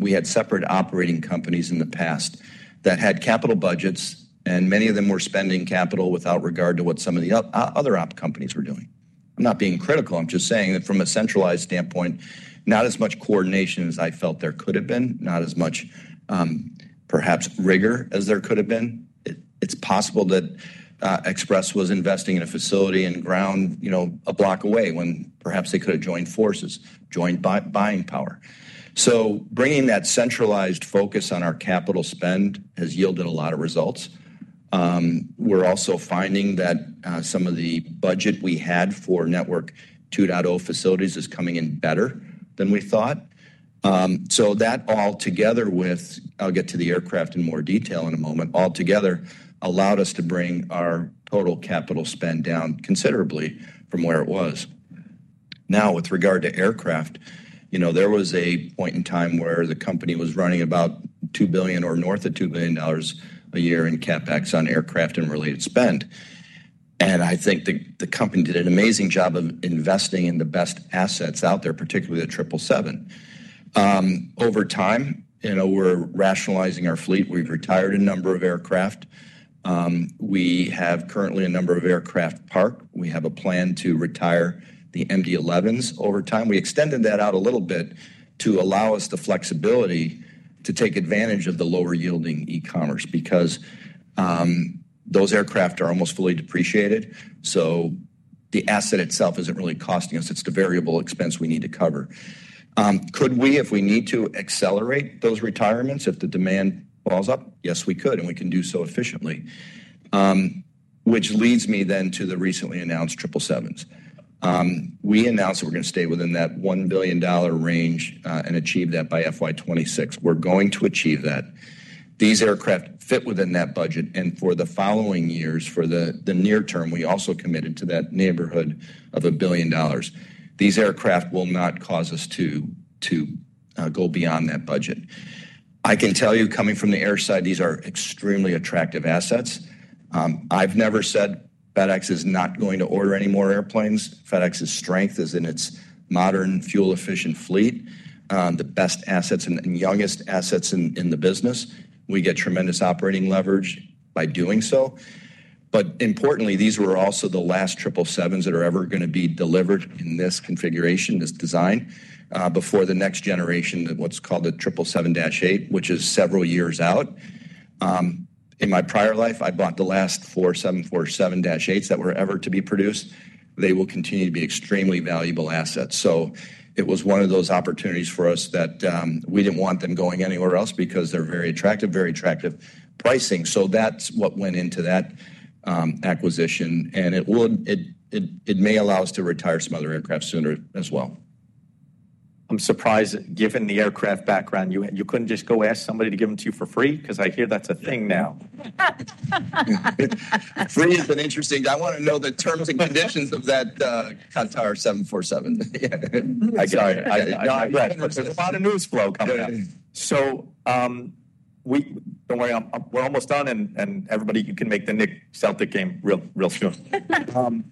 We had separate operating companies in the past that had capital budgets, and many of them were spending capital without regard to what some of the other op companies were doing. I'm not being critical. I'm just saying that from a centralized standpoint, not as much coordination as I felt there could have been, not as much perhaps rigor as there could have been. It's possible that Express was investing in a facility in Ground a block away when perhaps they could have joined forces, joined buying power. Bringing that centralized focus on our capital spend has yielded a lot of results. We're also finding that some of the budget we had for Network 2.0 facilities is coming in better than we thought. That all together with—I will get to the aircraft in more detail in a moment—all together allowed us to bring our total capital spend down considerably from where it was. Now, with regard to aircraft, there was a point in time where the company was running about $2 billion or north of $2 billion a year in CapEx on aircraft and related spend. I think the company did an amazing job of investing in the best assets out there, particularly the 777. Over time, we are rationalizing our fleet. We have retired a number of aircraft. We have currently a number of aircraft parked. We have a plan to retire the MD-11s over time. We extended that out a little bit to allow us the flexibility to take advantage of the lower yielding e-commerce because those aircraft are almost fully depreciated. So the asset itself isn't really costing us. It's the variable expense we need to cover. Could we, if we need to, accelerate those retirements if the demand falls off? Yes, we could, and we can do so efficiently. Which leads me then to the recently announced 777s. We announced that we're going to stay within that $1 billion range and achieve that by FY 2026. We're going to achieve that. These aircraft fit within that budget. And for the following years, for the near term, we also committed to that neighborhood of a billion dollars. These aircraft will not cause us to go beyond that budget. I can tell you, coming from the air side, these are extremely attractive assets. I've never said FedEx is not going to order any more airplanes. FedEx's strength is in its modern fuel-efficient fleet, the best assets, and youngest assets in the business. We get tremendous operating leverage by doing so. Importantly, these were also the last 777s that are ever going to be delivered in this configuration, this design, before the next generation of what's called the 777-8, which is several years out. In my prior life, I bought the last four 747-8s that were ever to be produced. They will continue to be extremely valuable assets. It was one of those opportunities for us that we did not want them going anywhere else because they're very attractive, very attractive pricing. That is what went into that acquisition. It may allow us to retire some other aircraft sooner as well. I'm surprised, given the aircraft background, you couldn't just go ask somebody to give them to you for free because I hear that's a thing now. Free is an interesting—I want to know the terms and conditions of that Qatar 747. Sorry. There's a lot of news flow coming in. Don't worry. We're almost done, and everybody, you can make the Knicks-Celtics game real soon.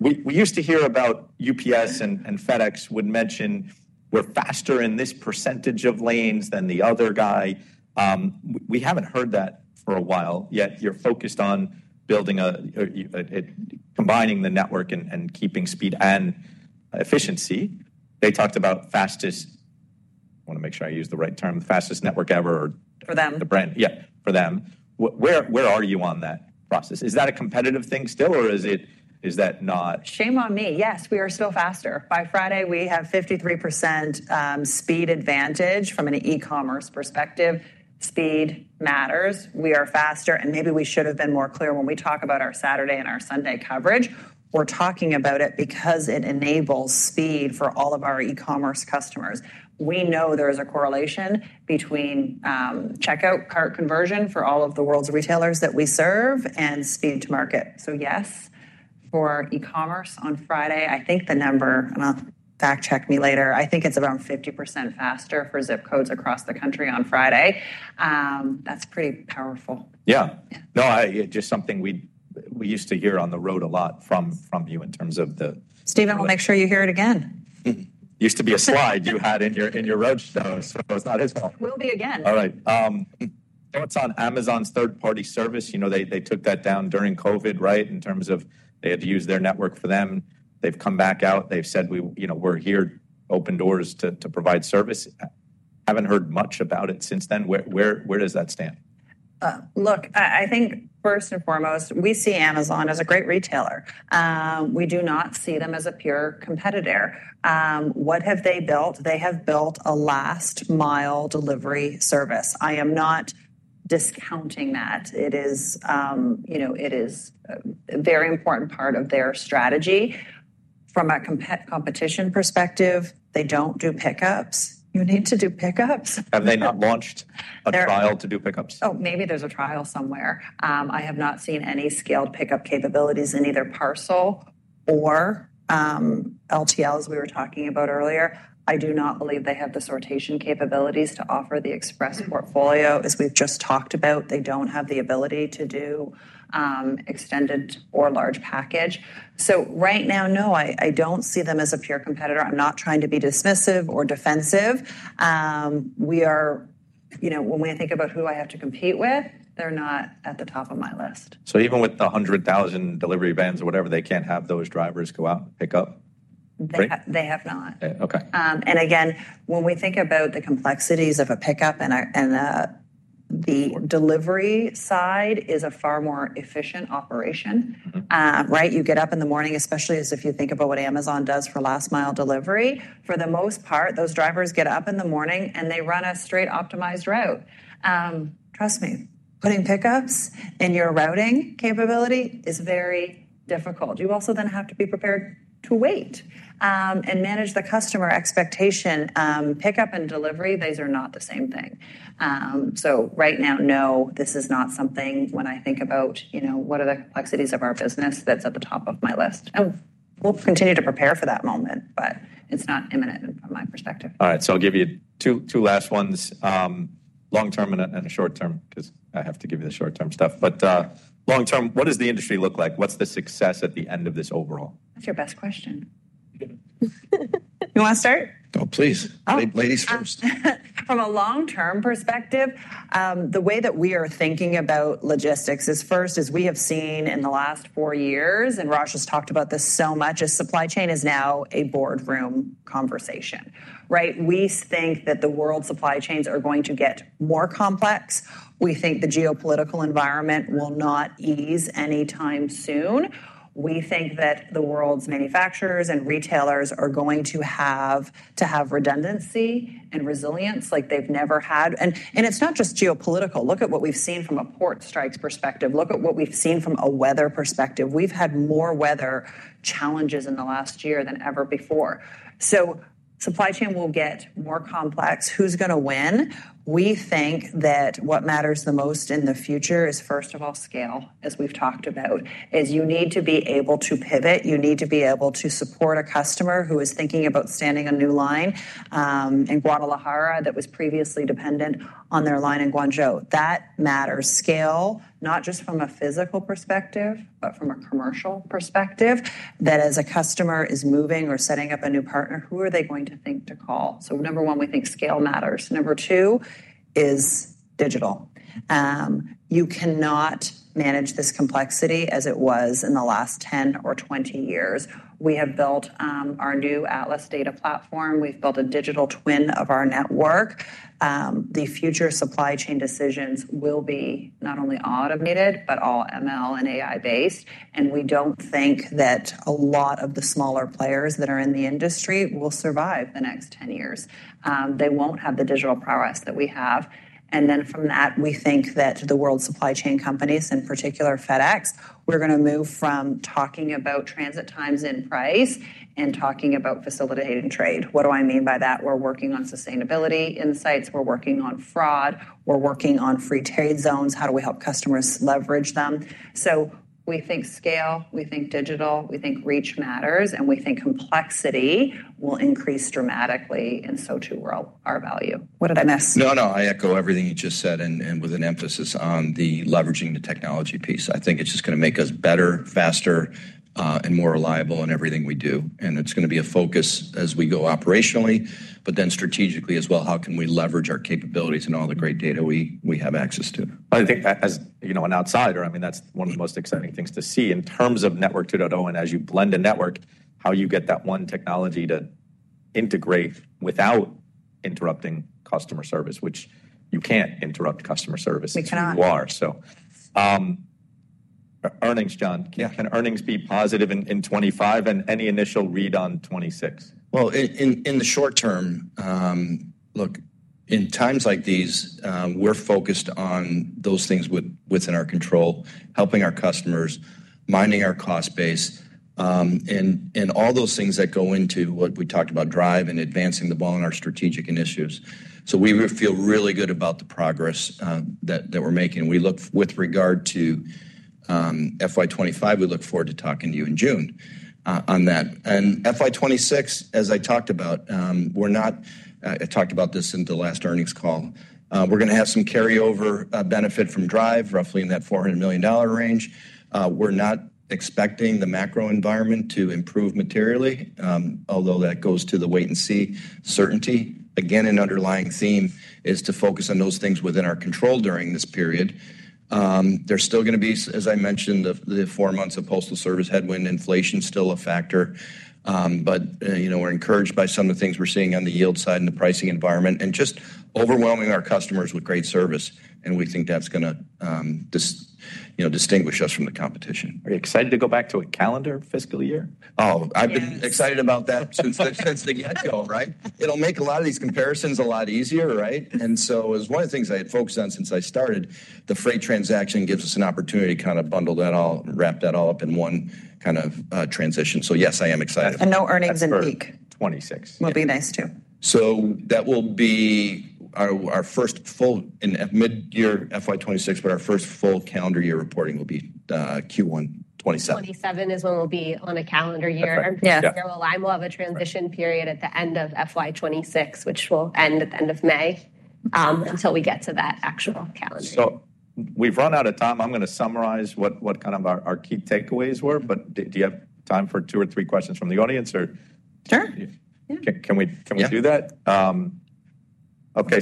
We used to hear about UPS and FedEx would mention, "We're faster in this % of lanes than the other guy." We haven't heard that for a while. Yet you're focused on combining the network and keeping speed and efficiency. They talked about fastest—I want to make sure I use the right term—the fastest network ever or the brand. For them. Yeah, for them. Where are you on that process? Is that a competitive thing still, or is that not? Shame on me. Yes, we are still faster. By Friday, we have 53% speed advantage from an e-commerce perspective. Speed matters. We are faster. Maybe we should have been more clear when we talk about our Saturday and our Sunday coverage. We are talking about it because it enables speed for all of our e-commerce customers. We know there is a correlation between checkout cart conversion for all of the world's retailers that we serve and speed to market. Yes, for e-commerce on Friday, I think the number—fact-check me later—I think it is around 50% faster for zip codes across the country on Friday. That is pretty powerful. Yeah. No, just something we used to hear on the road a lot from you in terms of the. Stephen, I'll make sure you hear it again. It used to be a slide you had in your road show, so it's not his fault. Will be again. All right. What's on Amazon's third-party service? They took that down during COVID, right, in terms of they had to use their network for them. They've come back out. They've said, "We're here, open doors to provide service." Haven't heard much about it since then. Where does that stand? Look, I think first and foremost, we see Amazon as a great retailer. We do not see them as a pure competitor. What have they built? They have built a last-mile delivery service. I am not discounting that. It is a very important part of their strategy. From a competition perspective, they do not do pickups. You need to do pickups. Have they not launched a trial to do pickups? Oh, maybe there's a trial somewhere. I have not seen any scaled pickup capabilities in either Parcel or LTL, as we were talking about earlier. I do not believe they have the sortation capabilities to offer the Express portfolio. As we've just talked about, they don't have the ability to do extended or large package. Right now, no, I don't see them as a pure competitor. I'm not trying to be dismissive or defensive. When we think about who I have to compete with, they're not at the top of my list. Even with the 100,000 delivery vans or whatever, they can't have those drivers go out and pick up? They have not. Again, when we think about the complexities of a pickup and the delivery side, it is a far more efficient operation, right? You get up in the morning, especially if you think about what Amazon does for last-mile delivery. For the most part, those drivers get up in the morning, and they run a straight optimized route. Trust me, putting pickups in your routing capability is very difficult. You also then have to be prepared to wait and manage the customer expectation. Pickup and delivery, these are not the same thing. Right now, no, this is not something, when I think about what are the complexities of our business, that's at the top of my list. We will continue to prepare for that moment, but it is not imminent from my perspective. All right. I'll give you two last ones, long-term and a short-term because I have to give you the short-term stuff. Long-term, what does the industry look like? What's the success at the end of this overall? That's your best question. You want to start? Oh, please. Ladies first. From a long-term perspective, the way that we are thinking about logistics is first, as we have seen in the last four years, and Raj has talked about this so much, is supply chain is now a boardroom conversation, right? We think that the world's supply chains are going to get more complex. We think the geopolitical environment will not ease anytime soon. We think that the world's manufacturers and retailers are going to have to have redundancy and resilience like they've never had. It is not just geopolitical. Look at what we've seen from a port strikes perspective. Look at what we've seen from a weather perspective. We've had more weather challenges in the last year than ever before. Supply chain will get more complex. Who's going to win? We think that what matters the most in the future is, first of all, scale, as we've talked about, is you need to be able to pivot. You need to be able to support a customer who is thinking about standing a new line in Guadalajara that was previously dependent on their line in Guangzhou. That matters. Scale, not just from a physical perspective, but from a commercial perspective, that as a customer is moving or setting up a new partner, who are they going to think to call? Number one, we think scale matters. Number two is digital. You cannot manage this complexity as it was in the last 10 or 20 years. We have built our new Atlas data platform. We've built a digital twin of our network. The future supply chain decisions will be not only automated, but all ML and AI-based. We do not think that a lot of the smaller players that are in the industry will survive the next 10 years. They will not have the digital prowess that we have. From that, we think that the world's supply chain companies, in particular FedEx, are going to move from talking about transit times and price to talking about facilitating trade. What do I mean by that? We are working on sustainability insights. We are working on fraud. We are working on free trade zones. How do we help customers leverage them? We think scale, we think digital, we think reach matters, and we think complexity will increase dramatically, and so too will our value. What did I miss? No, no. I echo everything you just said with an emphasis on leveraging the technology piece. I think it's just going to make us better, faster, and more reliable in everything we do. It's going to be a focus as we go operationally, but then strategically as well, how can we leverage our capabilities and all the great data we have access to? I think as an outsider, I mean, that's one of the most exciting things to see in terms of Network 2.0, and as you blend a network, how you get that one technology to integrate without interrupting customer service, which you can't interrupt customer service. We cannot. You are. Earnings, John, can earnings be positive in 2025 and any initial read on 2026? In the short term, look, in times like these, we're focused on those things within our control, helping our customers, minding our cost base, and all those things that go into what we talked about, Drive and advancing the ball in our strategic initiatives. We feel really good about the progress that we're making. We look with regard to FY 2025, we look forward to talking to you in June on that. And FY 2026, as I talked about, we're not—I talked about this in the last earnings call. We're going to have some carryover benefit from Drive, roughly in that $400 million range. We're not expecting the macro environment to improve materially, although that goes to the wait-and-see certainty. Again, an underlying theme is to focus on those things within our control during this period. is still going to be, as I mentioned, the four months of postal service headwind, inflation still a factor, but we are encouraged by some of the things we are seeing on the yield side and the pricing environment and just overwhelming our customers with great service. We think that is going to distinguish us from the competition. Are you excited to go back to a calendar fiscal year? Oh, I've been excited about that since the get-go, right? It'll make a lot of these comparisons a lot easier, right? It was one of the things I had focused on since I started. The freight transaction gives us an opportunity to kind of bundle that all and wrap that all up in one kind of transition. Yes, I am excited. No earnings in peak. For '26. Will be nice too. That will be our first full mid-year FY 2026, but our first full calendar year reporting will be Q1 2027. '27 is when we'll be on a calendar year. There will be a transition period at the end of FY 2026, which will end at the end of May until we get to that actual calendar. We've run out of time. I'm going to summarize what kind of our key takeaways were, but do you have time for two or three questions from the audience or? Sure. Can we do that? Okay.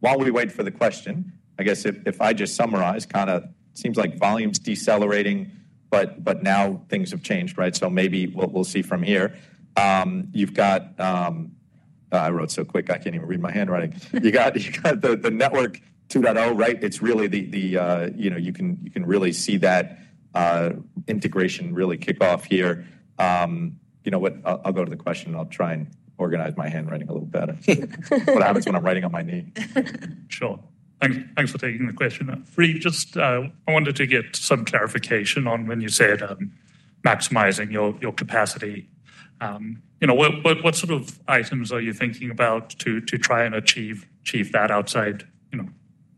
While we wait for the question, I guess if I just summarize, kind of seems like volume's decelerating, but now things have changed, right? Maybe what we'll see from here. You've got—I wrote so quick, I can't even read my handwriting. You've got the Network 2.0, right? It's really the—you can really see that integration really kick off here. You know what? I'll go to the question. I'll try and organize my handwriting a little better. What happens when I'm writing on my knee? Sure. Thanks for taking the question. Brie, just I wanted to get some clarification on when you said maximizing your capacity. What sort of items are you thinking about to try and achieve that outside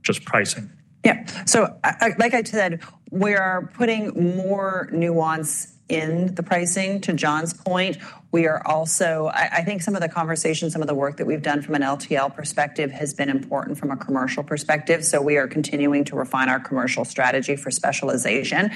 just pricing? Yeah. Like I said, we are putting more nuance in the pricing. To John's point, we are also—I think some of the conversation, some of the work that we've done from an LTL perspective has been important from a commercial perspective. We are continuing to refine our commercial strategy for specialization.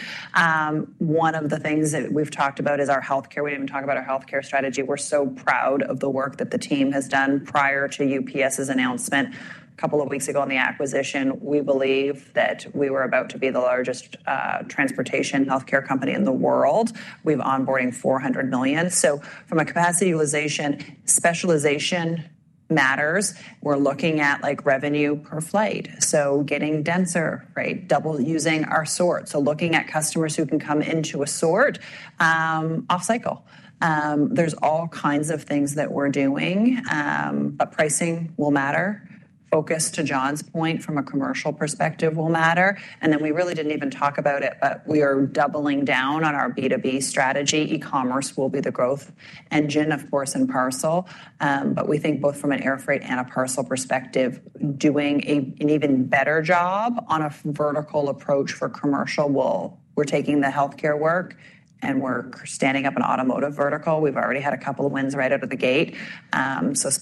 One of the things that we've talked about is our healthcare. We did not even talk about our healthcare strategy. We are so proud of the work that the team has done prior to UPS's announcement a couple of weeks ago on the acquisition. We believe that we were about to be the largest transportation healthcare company in the world. We have onboarding $400 million. From a capacity utilization, specialization matters. We are looking at revenue per flight. Getting denser, right? Double using our sort. Looking at customers who can come into a sort off-cycle. are all kinds of things that we are doing, but pricing will matter. Focus, to John's point, from a commercial perspective will matter. We really did not even talk about it, but we are doubling down on our B2B strategy. E-commerce will be the growth engine, of course, in parcel. We think both from an airfreight and a parcel perspective, doing an even better job on a vertical approach for commercial will—we are taking the healthcare work and we are standing up an automotive vertical. We have already had a couple of wins right out of the gate.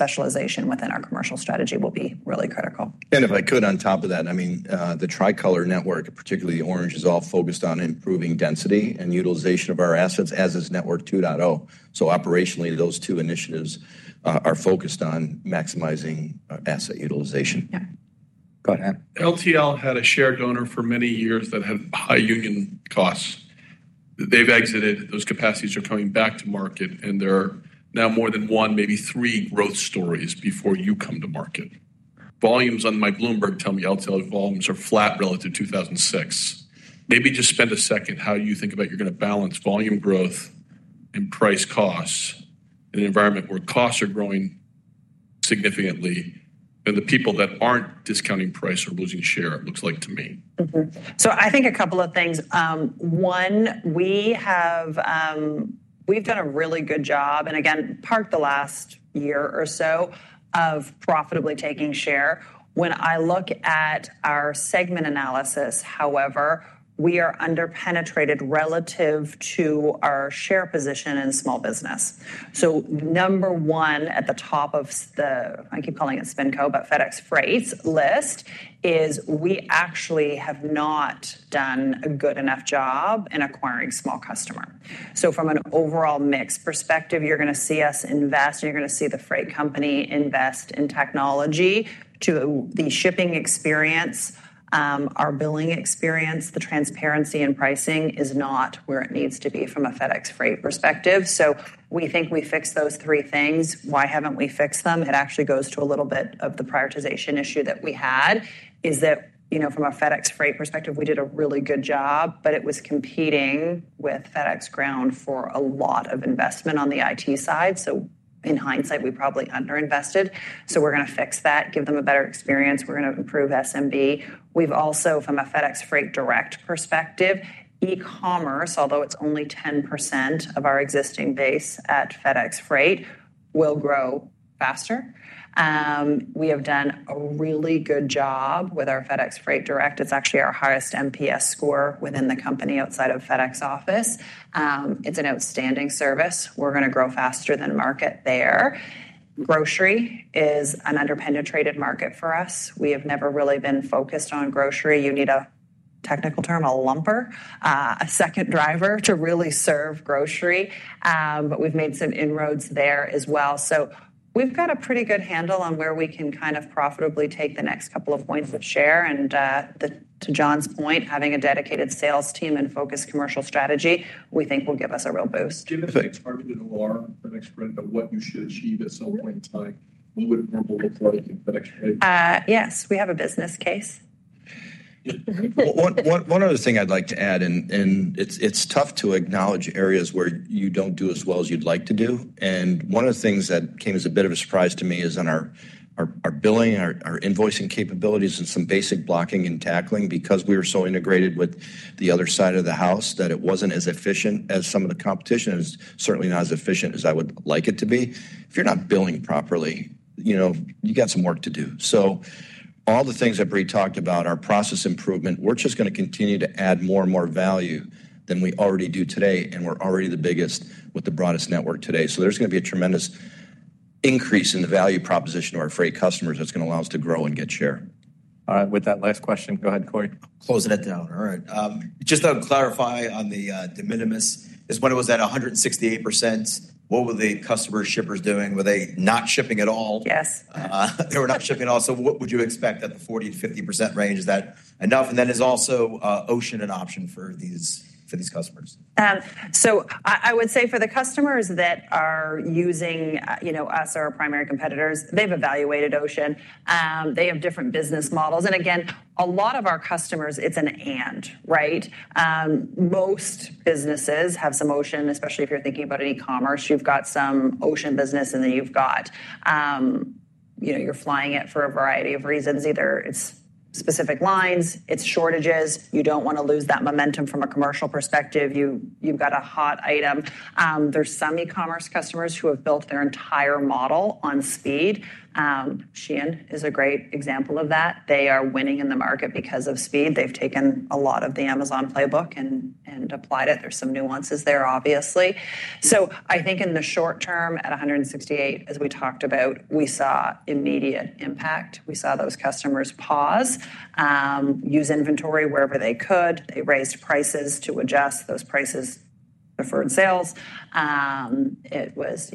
Specialization within our commercial strategy will be really critical. If I could, on top of that, I mean, the Tricolor network, particularly the orange, is all focused on improving density and utilization of our assets as is Network 2.0. Operationally, those two initiatives are focused on maximizing asset utilization. Yeah. Go ahead. LTL had a shared owner for many years that had high union costs. They've exited. Those capacities are coming back to market, and there are now more than one, maybe three growth stories before you come to market. Volumes on my Bloomberg tell me LTL volumes are flat relative to 2006. Maybe just spend a second. How do you think about you're going to balance volume growth and price costs in an environment where costs are growing significantly and the people that aren't discounting price are losing share, it looks like to me. I think a couple of things. One, we've done a really good job, and again, parked the last year or so of profitably taking share. When I look at our segment analysis, however, we are under-penetrated relative to our share position in small business. Number one at the top of the—I keep calling it SpinCo, but FedEx Freight's list is we actually have not done a good enough job in acquiring small customer. From an overall mix perspective, you're going to see us invest, and you're going to see the freight company invest in technology to the shipping experience, our billing experience. The transparency in pricing is not where it needs to be from a FedEx Freight perspective. We think we fixed those three things. Why haven't we fixed them? It actually goes to a little bit of the prioritization issue that we had, is that from a FedEx Freight perspective, we did a really good job, but it was competing with FedEx Ground for a lot of investment on the IT side. In hindsight, we probably underinvested. We are going to fix that, give them a better experience. We are going to improve SMB. We have also, from a FedEx Freight Direct perspective, e-commerce, although it is only 10% of our existing base at FedEx Freight, will grow faster. We have done a really good job with our FedEx Freight Direct. It is actually our highest NPS score within the company outside of FedEx Office. It is an outstanding service. We are going to grow faster than market there. Grocery is an under-penetrated market for us. We have never really been focused on grocery. You need a technical term, a lumper, a second driver to really serve grocery. We have made some inroads there as well. We have a pretty good handle on where we can kind of profitably take the next couple of points of share. To John's point, having a dedicated sales team and focused commercial strategy, we think will give us a real boost. Do you have a thing targeted or FedEx friend of what you should achieve at some point in time? What would normal look like in FedEx? Yes, we have a business case. One other thing I'd like to add, and it's tough to acknowledge areas where you don't do as well as you'd like to do. One of the things that came as a bit of a surprise to me is on our billing, our invoicing capabilities, and some basic blocking and tackling, because we were so integrated with the other side of the house that it wasn't as efficient as some of the competition. It's certainly not as efficient as I would like it to be. If you're not billing properly, you got some work to do. All the things that Brie talked about, our process improvement, we're just going to continue to add more and more value than we already do today. We're already the biggest with the broadest network today. There's going to be a tremendous increase in the value proposition to our freight customers that's going to allow us to grow and get share. All right. With that last question, go ahead, Corey. Close that down. All right. Just to clarify on the de minimis, is when it was at 168%, what were the customer shippers doing? Were they not shipping at all? Yes. They were not shipping at all. What would you expect at the 40%-50% range? Is that enough? Is also Ocean an option for these customers? I would say for the customers that are using us or our primary competitors, they've evaluated Ocean. They have different business models. Again, a lot of our customers, it's an and, right? Most businesses have some Ocean, especially if you're thinking about an e-commerce. You've got some Ocean business, and then you've got—you are flying it for a variety of reasons. Either it's specific lines, it's shortages. You do not want to lose that momentum from a commercial perspective. You've got a hot item. There are some e-commerce customers who have built their entire model on speed. Shein is a great example of that. They are winning in the market because of speed. They've taken a lot of the Amazon playbook and applied it. There are some nuances there, obviously. I think in the short term at 168, as we talked about, we saw immediate impact. We saw those customers pause, use inventory wherever they could. They raised prices to adjust those prices for sales. It was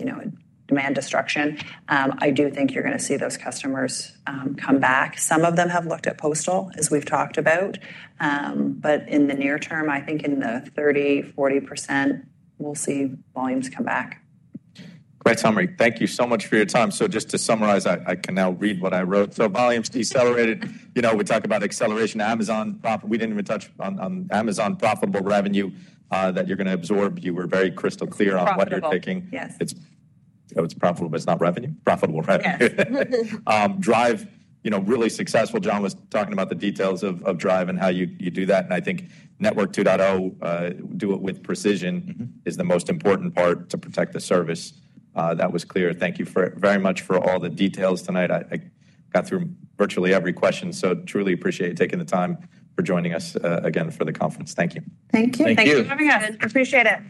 demand destruction. I do think you're going to see those customers come back. Some of them have looked at postal, as we've talked about. In the near term, I think in the 30%-40% we'll see volumes come back. Great, Summary. Thank you so much for your time. Just to summarize, I can now read what I wrote. Volumes decelerated. We talked about acceleration, Amazon profit. We did not even touch on Amazon profitable revenue that you are going to absorb. You were very crystal clear on what you are taking. Profitable, yes. It's profitable, but it's not revenue. Profitable revenue. Drive, really successful. John was talking about the details of Drive and how you do that. I think Network 2.0, do it with precision, is the most important part to protect the service. That was clear. Thank you very much for all the details tonight. I got through virtually every question. I truly appreciate you taking the time for joining us again for the conference. Thank you. Thank you. Thanks for having us. Appreciate it.